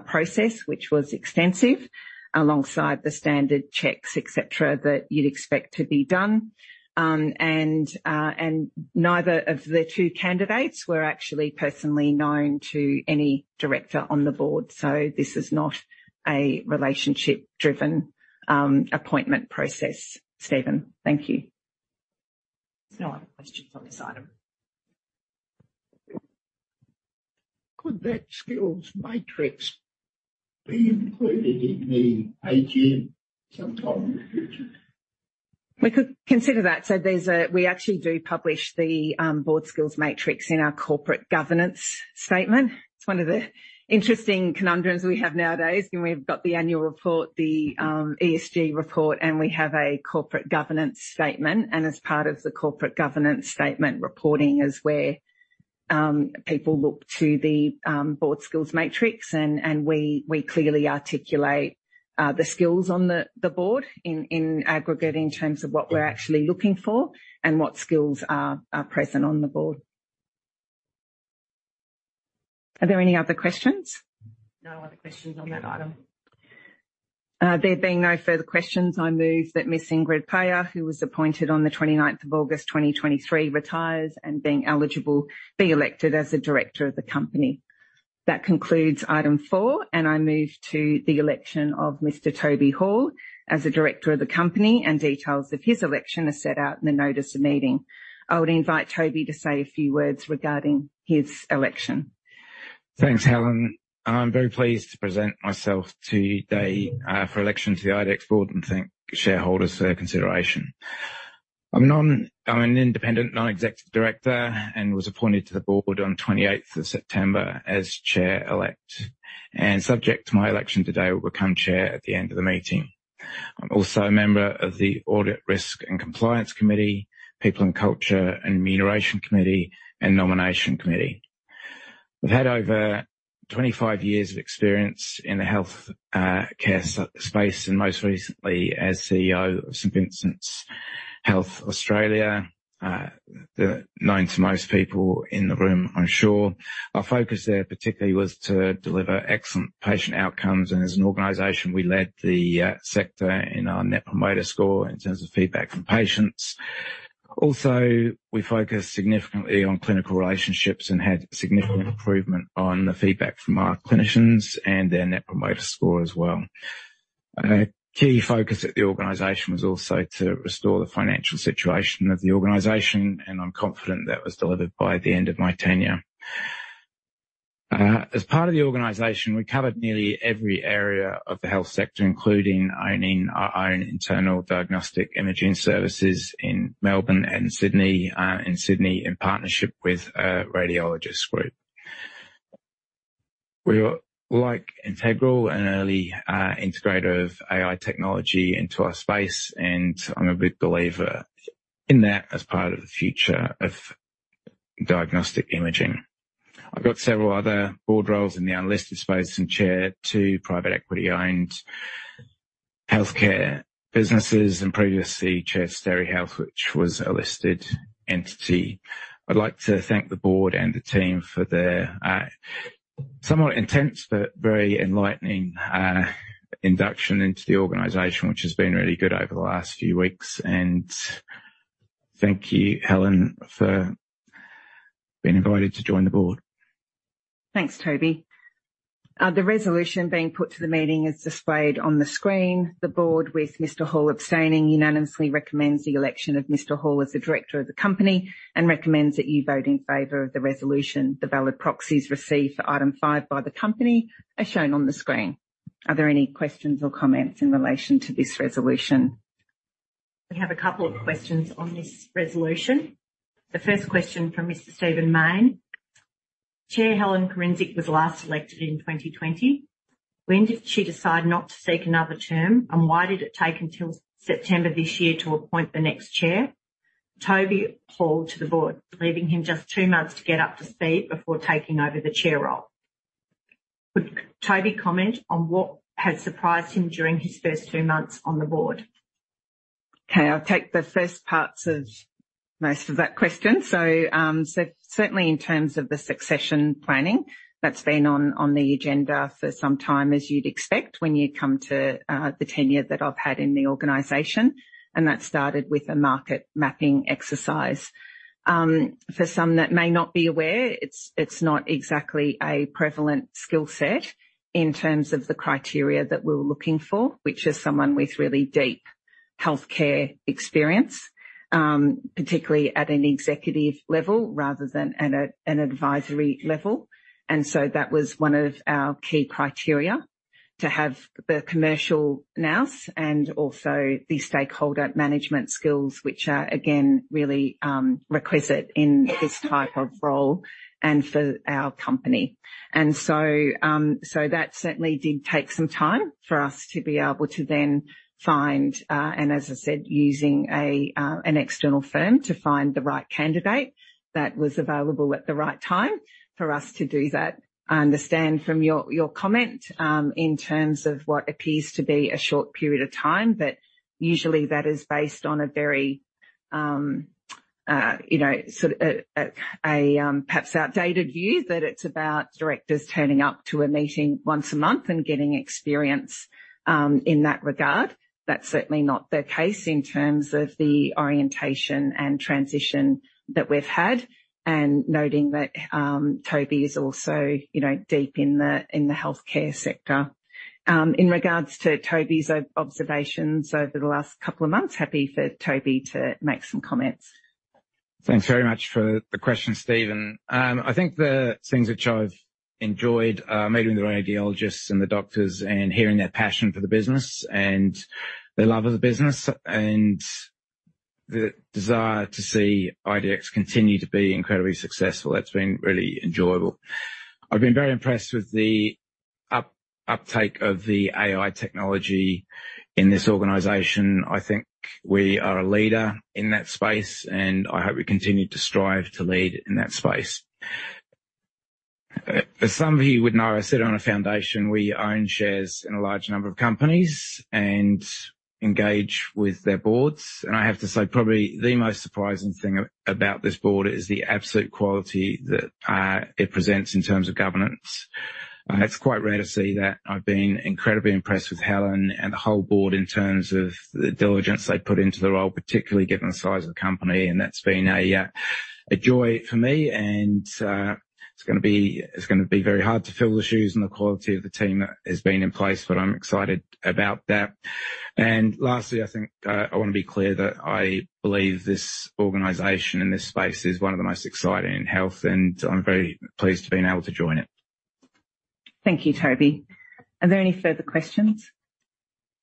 process, which was extensive, alongside the standard checks, et cetera, that you'd expect to be done. And, and neither of the two candidates were actually personally known to any director on the board. This is not a relationship-driven, appointment process, Steven. Thank you. No other questions on this item. Could that skills matrix be included in the AGM sometime in the future? We could consider that. So we actually do publish the board skills matrix in our corporate governance statement. It's one of the interesting conundrums we have nowadays, and we've got the annual report, the ESG report, and we have a corporate governance statement. As part of the corporate governance statement, reporting is where people look to the board skills matrix, and we clearly articulate the skills on the board in aggregating terms of what we're actually looking for and what skills are present on the board. Are there any other questions? No other questions on that item. There being no further questions, I move that Ms. Ingrid Player, who was appointed on the twenty-ninth of August 2023, retires, and being eligible, be elected as a director of the company. That concludes item four, and I move to the election of Mr. Toby Hall as a director of the company, and details of his election are set out in the notice of meeting. I would invite Toby to say a few words regarding his election. Thanks, Helen. I'm very pleased to present myself today for election to the IDX board and thank shareholders for their consideration. I'm an independent, non-executive director and was appointed to the board on 28th of September as chair-elect, and subject to my election today, will become chair at the end of the meeting. I'm also a member of the Audit, Risk, and Compliance Committee, People and Culture, and Remuneration Committee and Nomination Committee. I've had over 25 years of experience in the health care space, and most recently as CEO of St Vincent's Health Australia, known to most people in the room, I'm sure. Our focus there particularly was to deliver excellent patient outcomes, and as an organization, we led the sector in our Net Promoter Score in terms of feedback from patients. Also, we focused significantly on clinical relationships and had significant improvement on the feedback from our clinicians and their Net Promoter Score as well. A key focus at the organization was also to restore the financial situation of the organization, and I'm confident that was delivered by the end of my tenure. As part of the organization, we covered nearly every area of the health sector, including owning our own internal diagnostic imaging services in Melbourne and Sydney, in Sydney, in partnership with a radiologist group. We were, like, integral and early integrator of AI technology into our space, and I'm a big believer in that as part of the future of diagnostic imaging. I've got several other board roles in the unlisted space and chair two private equity-owned healthcare businesses and previously chair of SteriHealth, which was a listed entity. I'd like to thank the board and the team for their somewhat intense but very enlightening induction into the organization, which has been really good over the last few weeks, and thank you, Helen, for being invited to join the board. Thanks, Toby. The resolution being put to the meeting is displayed on the screen. The board, with Mr. Hall abstaining, unanimously recommends the election of Mr. Hall as a director of the company and recommends that you vote in favor of the resolution. The valid proxies received for item five by the company are shown on the screen. Are there any questions or comments in relation to this resolution? We have a couple of questions on this resolution. The first question from Mr. Stephen Mayne: Chair Helen Kurincic was last elected in 2020. When did she decide not to seek another term, and why did it take until September this year to appoint the next chair, Toby Hall, to the board, leaving him just two months to get up to speed before taking over the chair role? Could Toby comment on what has surprised him during his first two months on the board? Okay, I'll take the first parts of most of that question. So, so certainly in terms of the succession planning, that's been on the agenda for some time, as you'd expect when you come to the tenure that I've had in the organization, and that started with a market mapping exercise. For some that may not be aware, it's not exactly a prevalent skill set in terms of the criteria that we were looking for, which is someone with really deep healthcare experience, particularly at an executive level rather than at an advisory level. And so that was one of our key criteria, to have the commercial nous and also the stakeholder management skills, which are, again, really requisite in this type of role and for our company. And so, so that certainly did take some time for us to be able to then find, and as I said, using an external firm to find the right candidate that was available at the right time for us to do that. I understand from your, your comment, in terms of what appears to be a short period of time, but usually, that is based on a very, you know, sort of a, perhaps outdated view that it's about directors turning up to a meeting once a month and getting experience, in that regard. That's certainly not the case in terms of the orientation and transition that we've had, and noting that, Toby is also, you know, deep in the, in the healthcare sector. In regards to Toby's observations over the last couple of months, happy for Toby to make some comments. Thanks very much for the question, Steven. I think the things which I've enjoyed are meeting the radiologists and the doctors and hearing their passion for the business, and their love of the business, and the desire to see IDX continue to be incredibly successful. That's been really enjoyable. I've been very impressed with the uptake of the AI technology in this organization. I think we are a leader in that space, and I hope we continue to strive to lead in that space. As some of you would know, I sit on a foundation where we own shares in a large number of companies and engage with their boards, and I have to say, probably the most surprising thing about this board is the absolute quality that it presents in terms of governance. It's quite rare to see that. I've been incredibly impressed with Helen and the whole board in terms of the diligence they put into the role, particularly given the size of the company, and that's been a joy for me, and, it's gonna be, it's gonna be very hard to fill the shoes and the quality of the team that has been in place, but I'm excited about that. And lastly, I think, I want to be clear that I believe this organization and this space is one of the most exciting in health, and I'm very pleased to have been able to join it. Thank you, Toby. Are there any further questions?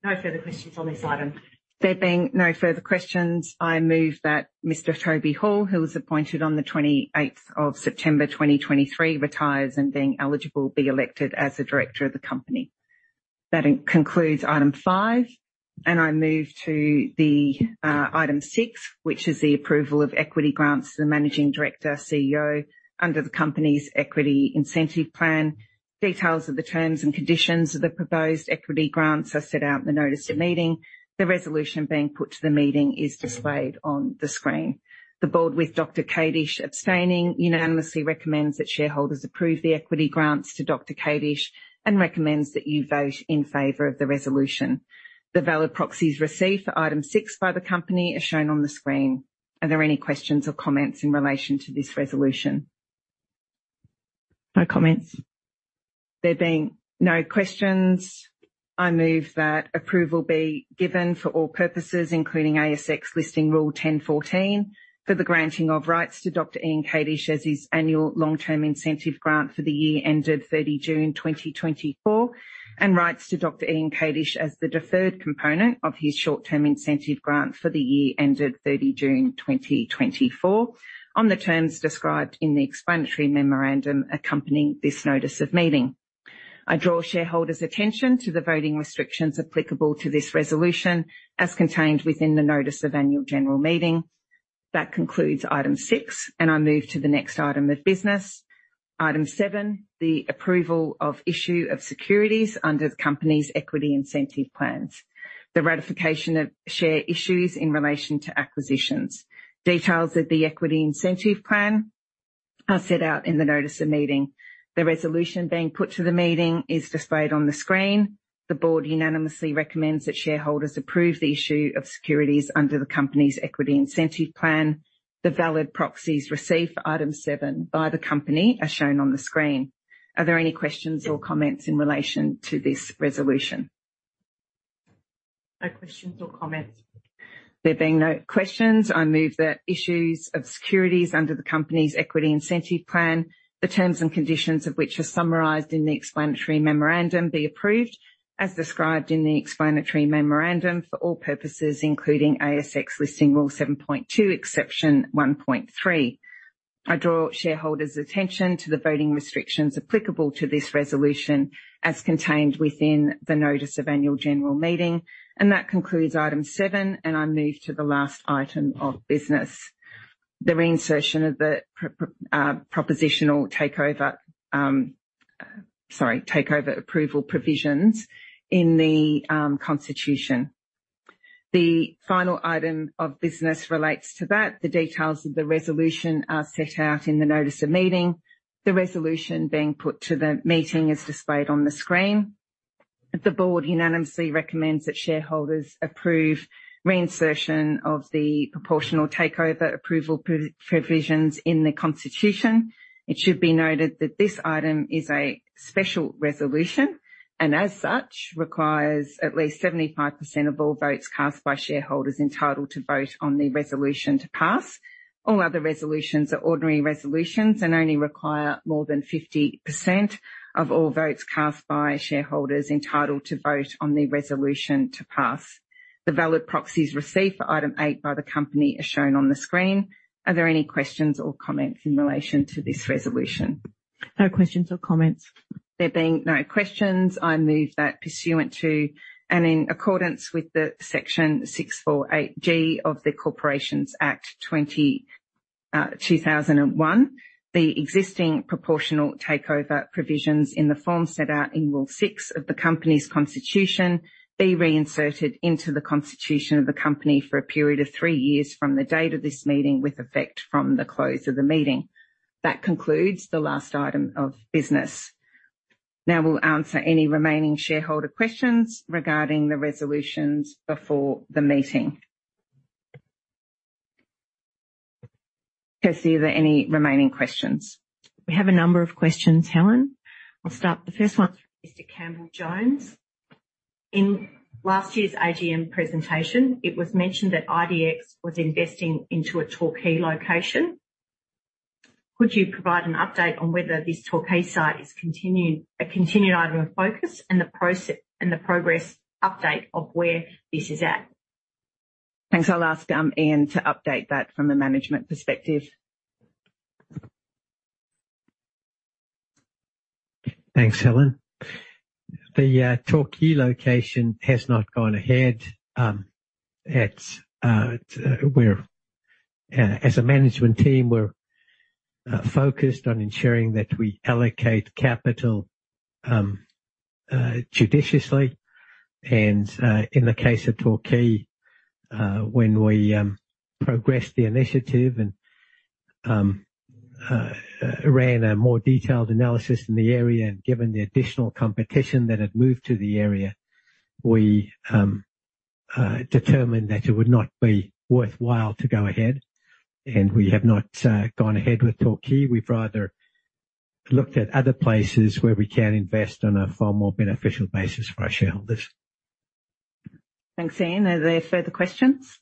No further questions on this item. There being no further questions, I move that Mr. Toby Hall, who was appointed on the 28th of September 2023, retires, and being eligible, be elected as a director of the company. That concludes item five, and I move to the item six, which is the approval of equity grants to the Managing Director, CEO, under the company's equity incentive plan. Details of the terms and conditions of the proposed equity grants are set out in the notice of meeting. The resolution being put to the meeting is displayed on the screen. The board, with Dr. Kadish abstaining, unanimously recommends that shareholders approve the equity grants to Dr. Kadish and recommends that you vote in favor of the resolution. The valid proxies received for item six by the company are shown on the screen. Are there any questions or comments in relation to this resolution? No comments. There being no questions, I move that approval be given for all purposes, including ASX Listing Rule 10.14, for the granting of rights to Dr. Ian Kadish as his annual long-term incentive grant for the year ended 30 June 2024, and rights to Dr. Ian Kadish as the deferred component of his short-term incentive grant for the year ended 30 June 2024, on the terms described in the explanatory memorandum accompanying this notice of meeting. I draw shareholders' attention to the voting restrictions applicable to this resolution, as contained within the notice of annual general meeting. That concludes item six, and I move to the next item of business. Item seven, the approval of issue of securities under the company's equity incentive plans. The ratification of share issues in relation to acquisitions. Details of the equity incentive plan are set out in the notice of meeting. The resolution being put to the meeting is displayed on the screen. The board unanimously recommends that shareholders approve the issue of securities under the company's equity incentive plan. The valid proxies received for item seven by the company are shown on the screen. Are there any questions or comments in relation to this resolution? No questions or comments. There being no questions, I move the issues of securities under the company's equity incentive plan, the terms and conditions of which are summarized in the explanatory memorandum, be approved as described in the explanatory memorandum for all purposes, including ASX Listing Rule 7.2, Exception 1.3. I draw shareholders' attention to the voting restrictions applicable to this resolution, as contained within the notice of annual general meeting, and that concludes item seven, and I move to the last item of business. The reinsertion of the proportional takeover approval provisions in the Constitution. The final item of business relates to that. The details of the resolution are set out in the notice of meeting. The resolution being put to the meeting is displayed on the screen. The board unanimously recommends that shareholders approve reinsertion of the proportional takeover approval provisions in the Constitution. It should be noted that this item is a special resolution, and as such, requires at least 75% of all votes cast by shareholders entitled to vote on the resolution to pass. All other resolutions are ordinary resolutions and only require more than 50% of all votes cast by shareholders entitled to vote on the resolution to pass. The valid proxies received for item eight by the company are shown on the screen. Are there any questions or comments in relation to this resolution? No questions or comments. There being no questions, I move that pursuant to, and in accordance with Section 648G of the Corporations Act 2001, the existing proportional takeover provisions in the form set out in Rule 6 of the Company's Constitution, be reinserted into the Constitution of the Company for a period of three years from the date of this meeting, with effect from the close of the meeting. That concludes the last item of business. Now, we'll answer any remaining shareholder questions regarding the resolutions before the meeting. Kirsty, are there any remaining questions? We have a number of questions, Helen. I'll start. The first one is from Mr. Campbell Jones. In last year's AGM presentation, it was mentioned that IDX was investing into a Torquay location. Could you provide an update on whether this Torquay site is continued, a continued item of focus, and the process and the progress update of where this is at?... Thanks. I'll ask Ian to update that from a management perspective. Thanks, Helen. The Torquay location has not gone ahead. It's, as a management team, we're focused on ensuring that we allocate capital judiciously. In the case of Torquay, when we progressed the initiative and ran a more detailed analysis in the area and given the additional competition that had moved to the area, we determined that it would not be worthwhile to go ahead, and we have not gone ahead with Torquay. We've rather looked at other places where we can invest on a far more beneficial basis for our shareholders. Thanks, Ian. Are there further questions?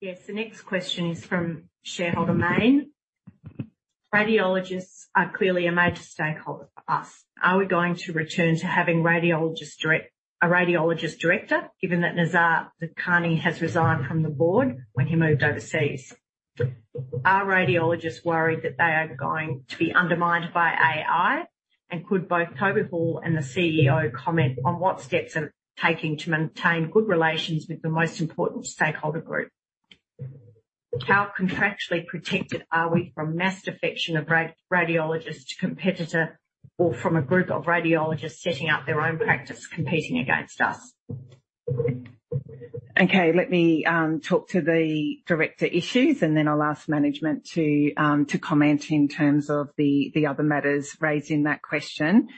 Yes. The next question is from Shareholder Mayne. Radiologists are clearly a major stakeholder for us. Are we going to return to having a radiologist director, given that Nazar Bokhari has resigned from the board when he moved overseas? Are radiologists worried that they are going to be undermined by AI? And could both Toby Hall and the CEO comment on what steps are taken to maintain good relations with the most important stakeholder group? How contractually protected are we from mass defection of radiologists to competitor or from a group of radiologists setting up their own practice competing against us? Okay, let me talk to the director issues, and then I'll ask management to comment in terms of the other matters raised in that question.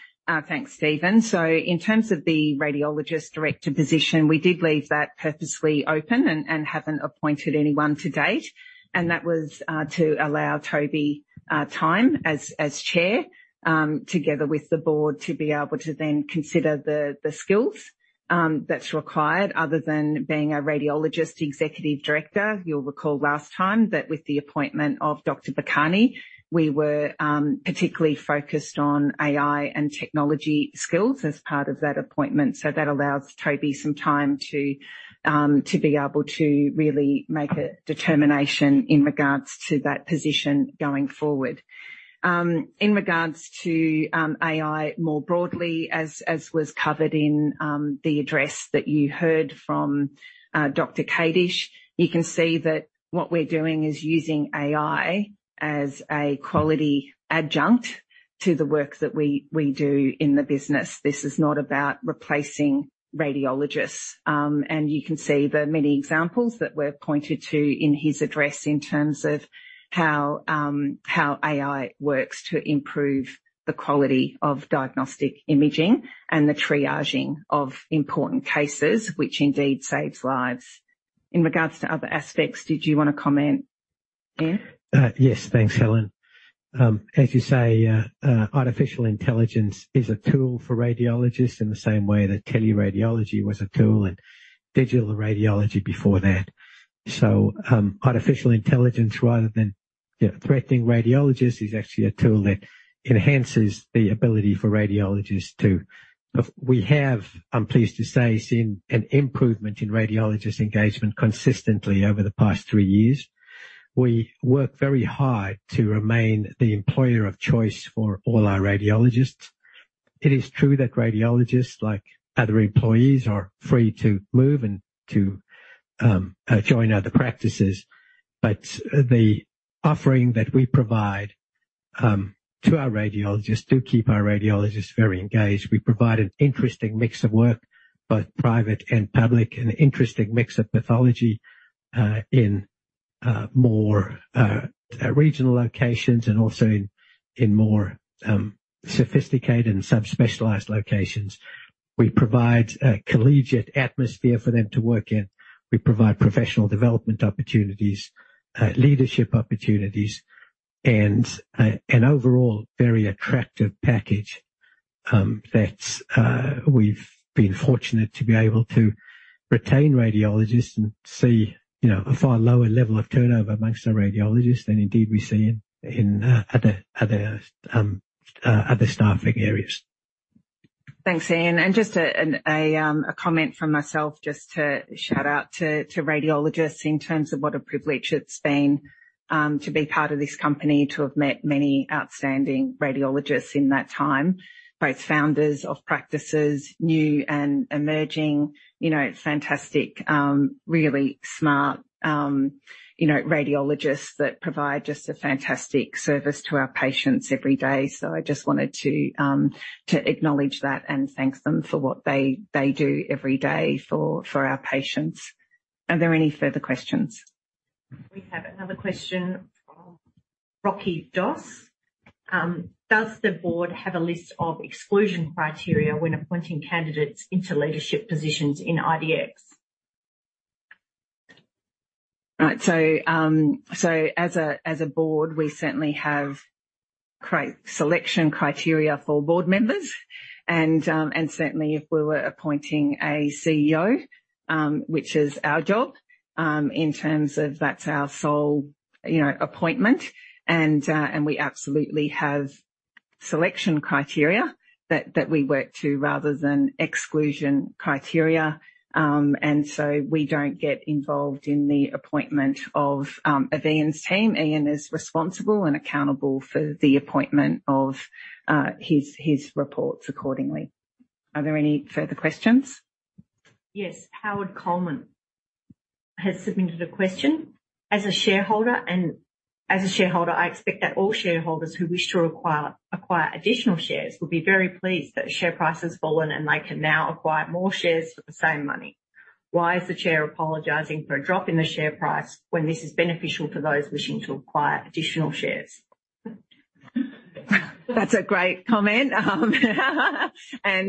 Thanks, Steven. So in terms of the radiologist director position, we did leave that purposely open and haven't appointed anyone to date, and that was to allow Toby time as chair together with the board, to be able to then consider the skills that's required, other than being a radiologist executive director. You'll recall last time that with the appointment of Dr. Bokhari, we were particularly focused on AI and technology skills as part of that appointment. So that allows Toby some time to be able to really make a determination in regards to that position going forward. In regards to AI, more broadly, as was covered in the address that you heard from Dr. Kadish, you can see that what we're doing is using AI as a quality adjunct to the work that we, we do in the business. This is not about replacing radiologists. You can see the many examples that were pointed to in his address in terms of how AI works to improve the quality of diagnostic imaging and the triaging of important cases, which indeed saves lives. In regards to other aspects, did you want to comment, Ian? Yes, thanks, Helen. As you say, artificial intelligence is a tool for radiologists in the same way that teleradiology was a tool, and digital radiology before that. So, artificial intelligence, rather than, you know, threatening radiologists, is actually a tool that enhances the ability for radiologists to... We have, I'm pleased to say, seen an improvement in radiologist engagement consistently over the past three years. We work very hard to remain the employer of choice for all our radiologists. It is true that radiologists, like other employees, are free to move and to join other practices, but the offering that we provide to our radiologists do keep our radiologists very engaged. We provide an interesting mix of work, both private and public, an interesting mix of pathology in more regional locations and also in more sophisticated and subspecialized locations. We provide a collegiate atmosphere for them to work in. We provide professional development opportunities, leadership opportunities, and an overall very attractive package that we've been fortunate to be able to retain radiologists and see, you know, a far lower level of turnover amongst our radiologists than indeed we see in other staffing areas. Thanks, Ian. And just a comment from myself, just to shout out to radiologists in terms of what a privilege it's been to be part of this company, to have met many outstanding radiologists in that time, both founders of practices, new and emerging, you know, fantastic, really smart, you know, radiologists that provide just a fantastic service to our patients every day. So I just wanted to acknowledge that and thank them for what they do every day for our patients. Are there any further questions? We have another question from Rocky Doss. Does the board have a list of exclusion criteria when appointing candidates into leadership positions in IDX? Right. So, as a board, we certainly have selection criteria for board members, and certainly if we were appointing a CEO, which is our job, in terms of that's our sole, you know, appointment, and we absolutely have selection criteria that we work to rather than exclusion criteria. And so we don't get involved in the appointment of Ian's team. Ian is responsible and accountable for the appointment of his reports accordingly. Are there any further questions? Yes. Howard Coleman has submitted a question. As a shareholder and as a shareholder, I expect that all shareholders who wish to acquire, acquire additional shares will be very pleased that the share price has fallen, and they can now acquire more shares for the same money. Why is the chair apologizing for a drop in the share price when this is beneficial to those wishing to acquire additional shares? That's a great comment. And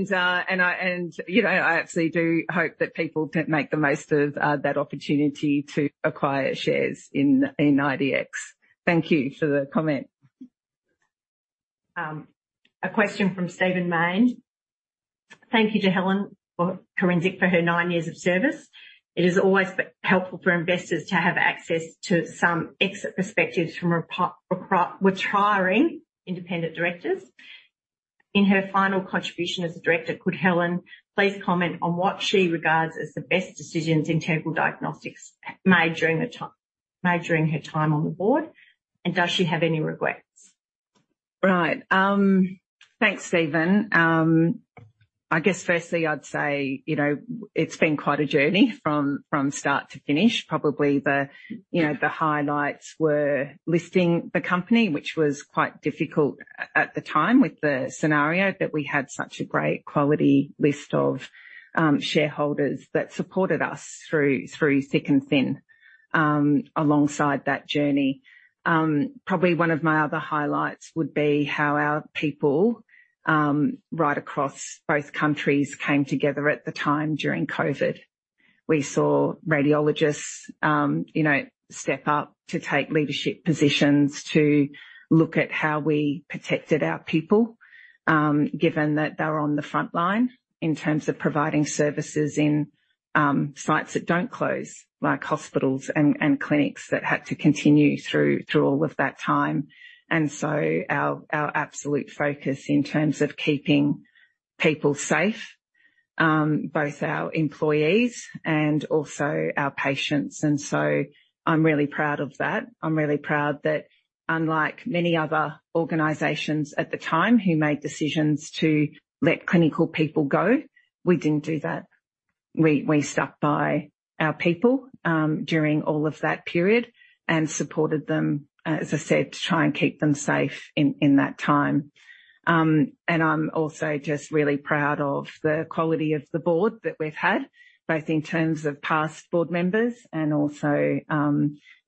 you know, I absolutely do hope that people do make the most of that opportunity to acquire shares in IDX. Thank you for the comment. A question from Steven Maine. Thank you to Helen Kurincic for her nine years of service. It is always helpful for investors to have access to some exit perspectives from retiring independent directors. In her final contribution as a director, could Helen please comment on what she regards as the best decisions Integral Diagnostics made during her time on the board, and does she have any regrets? Right. Thanks, Steven. I guess firstly, I'd say, you know, it's been quite a journey from start to finish. Probably the, you know, the highlights were listing the company, which was quite difficult at the time with the scenario, but we had such a great quality list of shareholders that supported us through thick and thin alongside that journey. Probably one of my other highlights would be how our people right across both countries came together at the time during COVID. We saw radiologists, you know, step up to take leadership positions to look at how we protected our people given that they were on the front line in terms of providing services in sites that don't close, like hospitals and clinics that had to continue through all of that time. And so our absolute focus in terms of keeping people safe, both our employees and also our patients, and so I'm really proud of that. I'm really proud that unlike many other organizations at the time who made decisions to let clinical people go, we didn't do that. We stuck by our people during all of that period and supported them, as I said, to try and keep them safe in that time. And I'm also just really proud of the quality of the board that we've had, both in terms of past board members and also,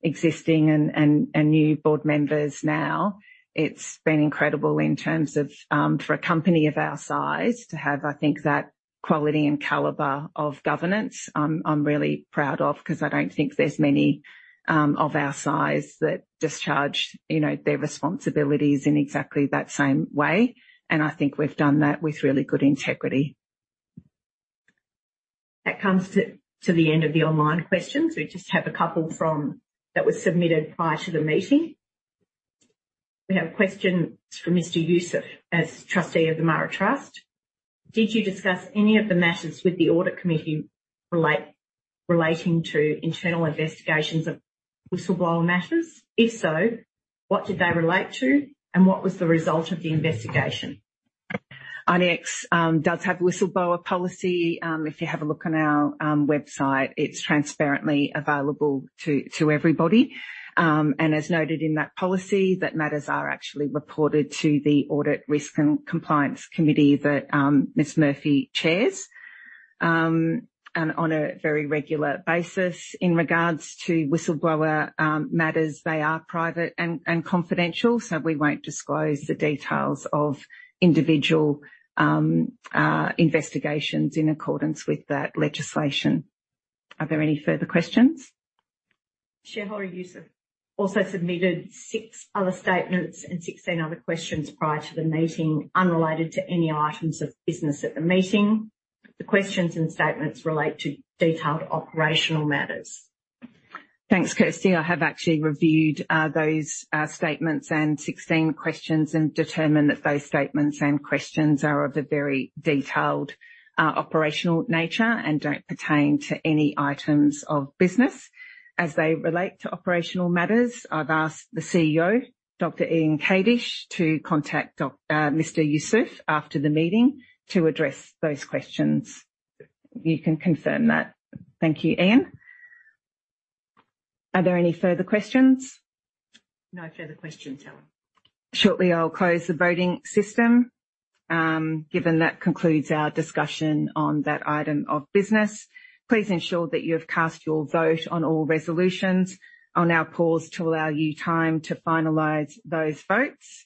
existing and new board members now. It's been incredible in terms of, for a company of our size to have, I think, that quality and caliber of governance. I'm really proud of because I don't think there's many, of our size that discharge, you know, their responsibilities in exactly that same way, and I think we've done that with really good integrity. That comes to the end of the online questions. We just have a couple from... that were submitted prior to the meeting. We have a question from Mr. Yusuf as trustee of the Maara Trust. Did you discuss any of the matters with the audit committee relating to internal investigations of whistleblower matters? If so, what did they relate to, and what was the result of the investigation? IDX does have whistleblower policy. If you have a look on our website, it's transparently available to everybody. As noted in that policy, matters are actually reported to the Audit, Risk, and Compliance Committee that Ms. Murphy chairs, and on a very regular basis. In regards to whistleblower matters, they are private and confidential, so we won't disclose the details of individual investigations in accordance with that legislation. Are there any further questions? Shareholder Yusuf also submitted 6 other statements and 16 other questions prior to the meeting, unrelated to any items of business at the meeting. The questions and statements relate to detailed operational matters. Thanks, Kirsty. I have actually reviewed those statements and 16 questions and determined that those statements and questions are of a very detailed operational nature and don't pertain to any items of business. As they relate to operational matters, I've asked the CEO, Dr. Ian Kadish, to contact doc Mr. Yusuf after the meeting to address those questions. You can confirm that. Thank you, Ian. Are there any further questions? No further questions, Helen. Shortly, I'll close the voting system, given that concludes our discussion on that item of business. Please ensure that you have cast your vote on all resolutions. I'll now pause to allow you time to finalize those votes.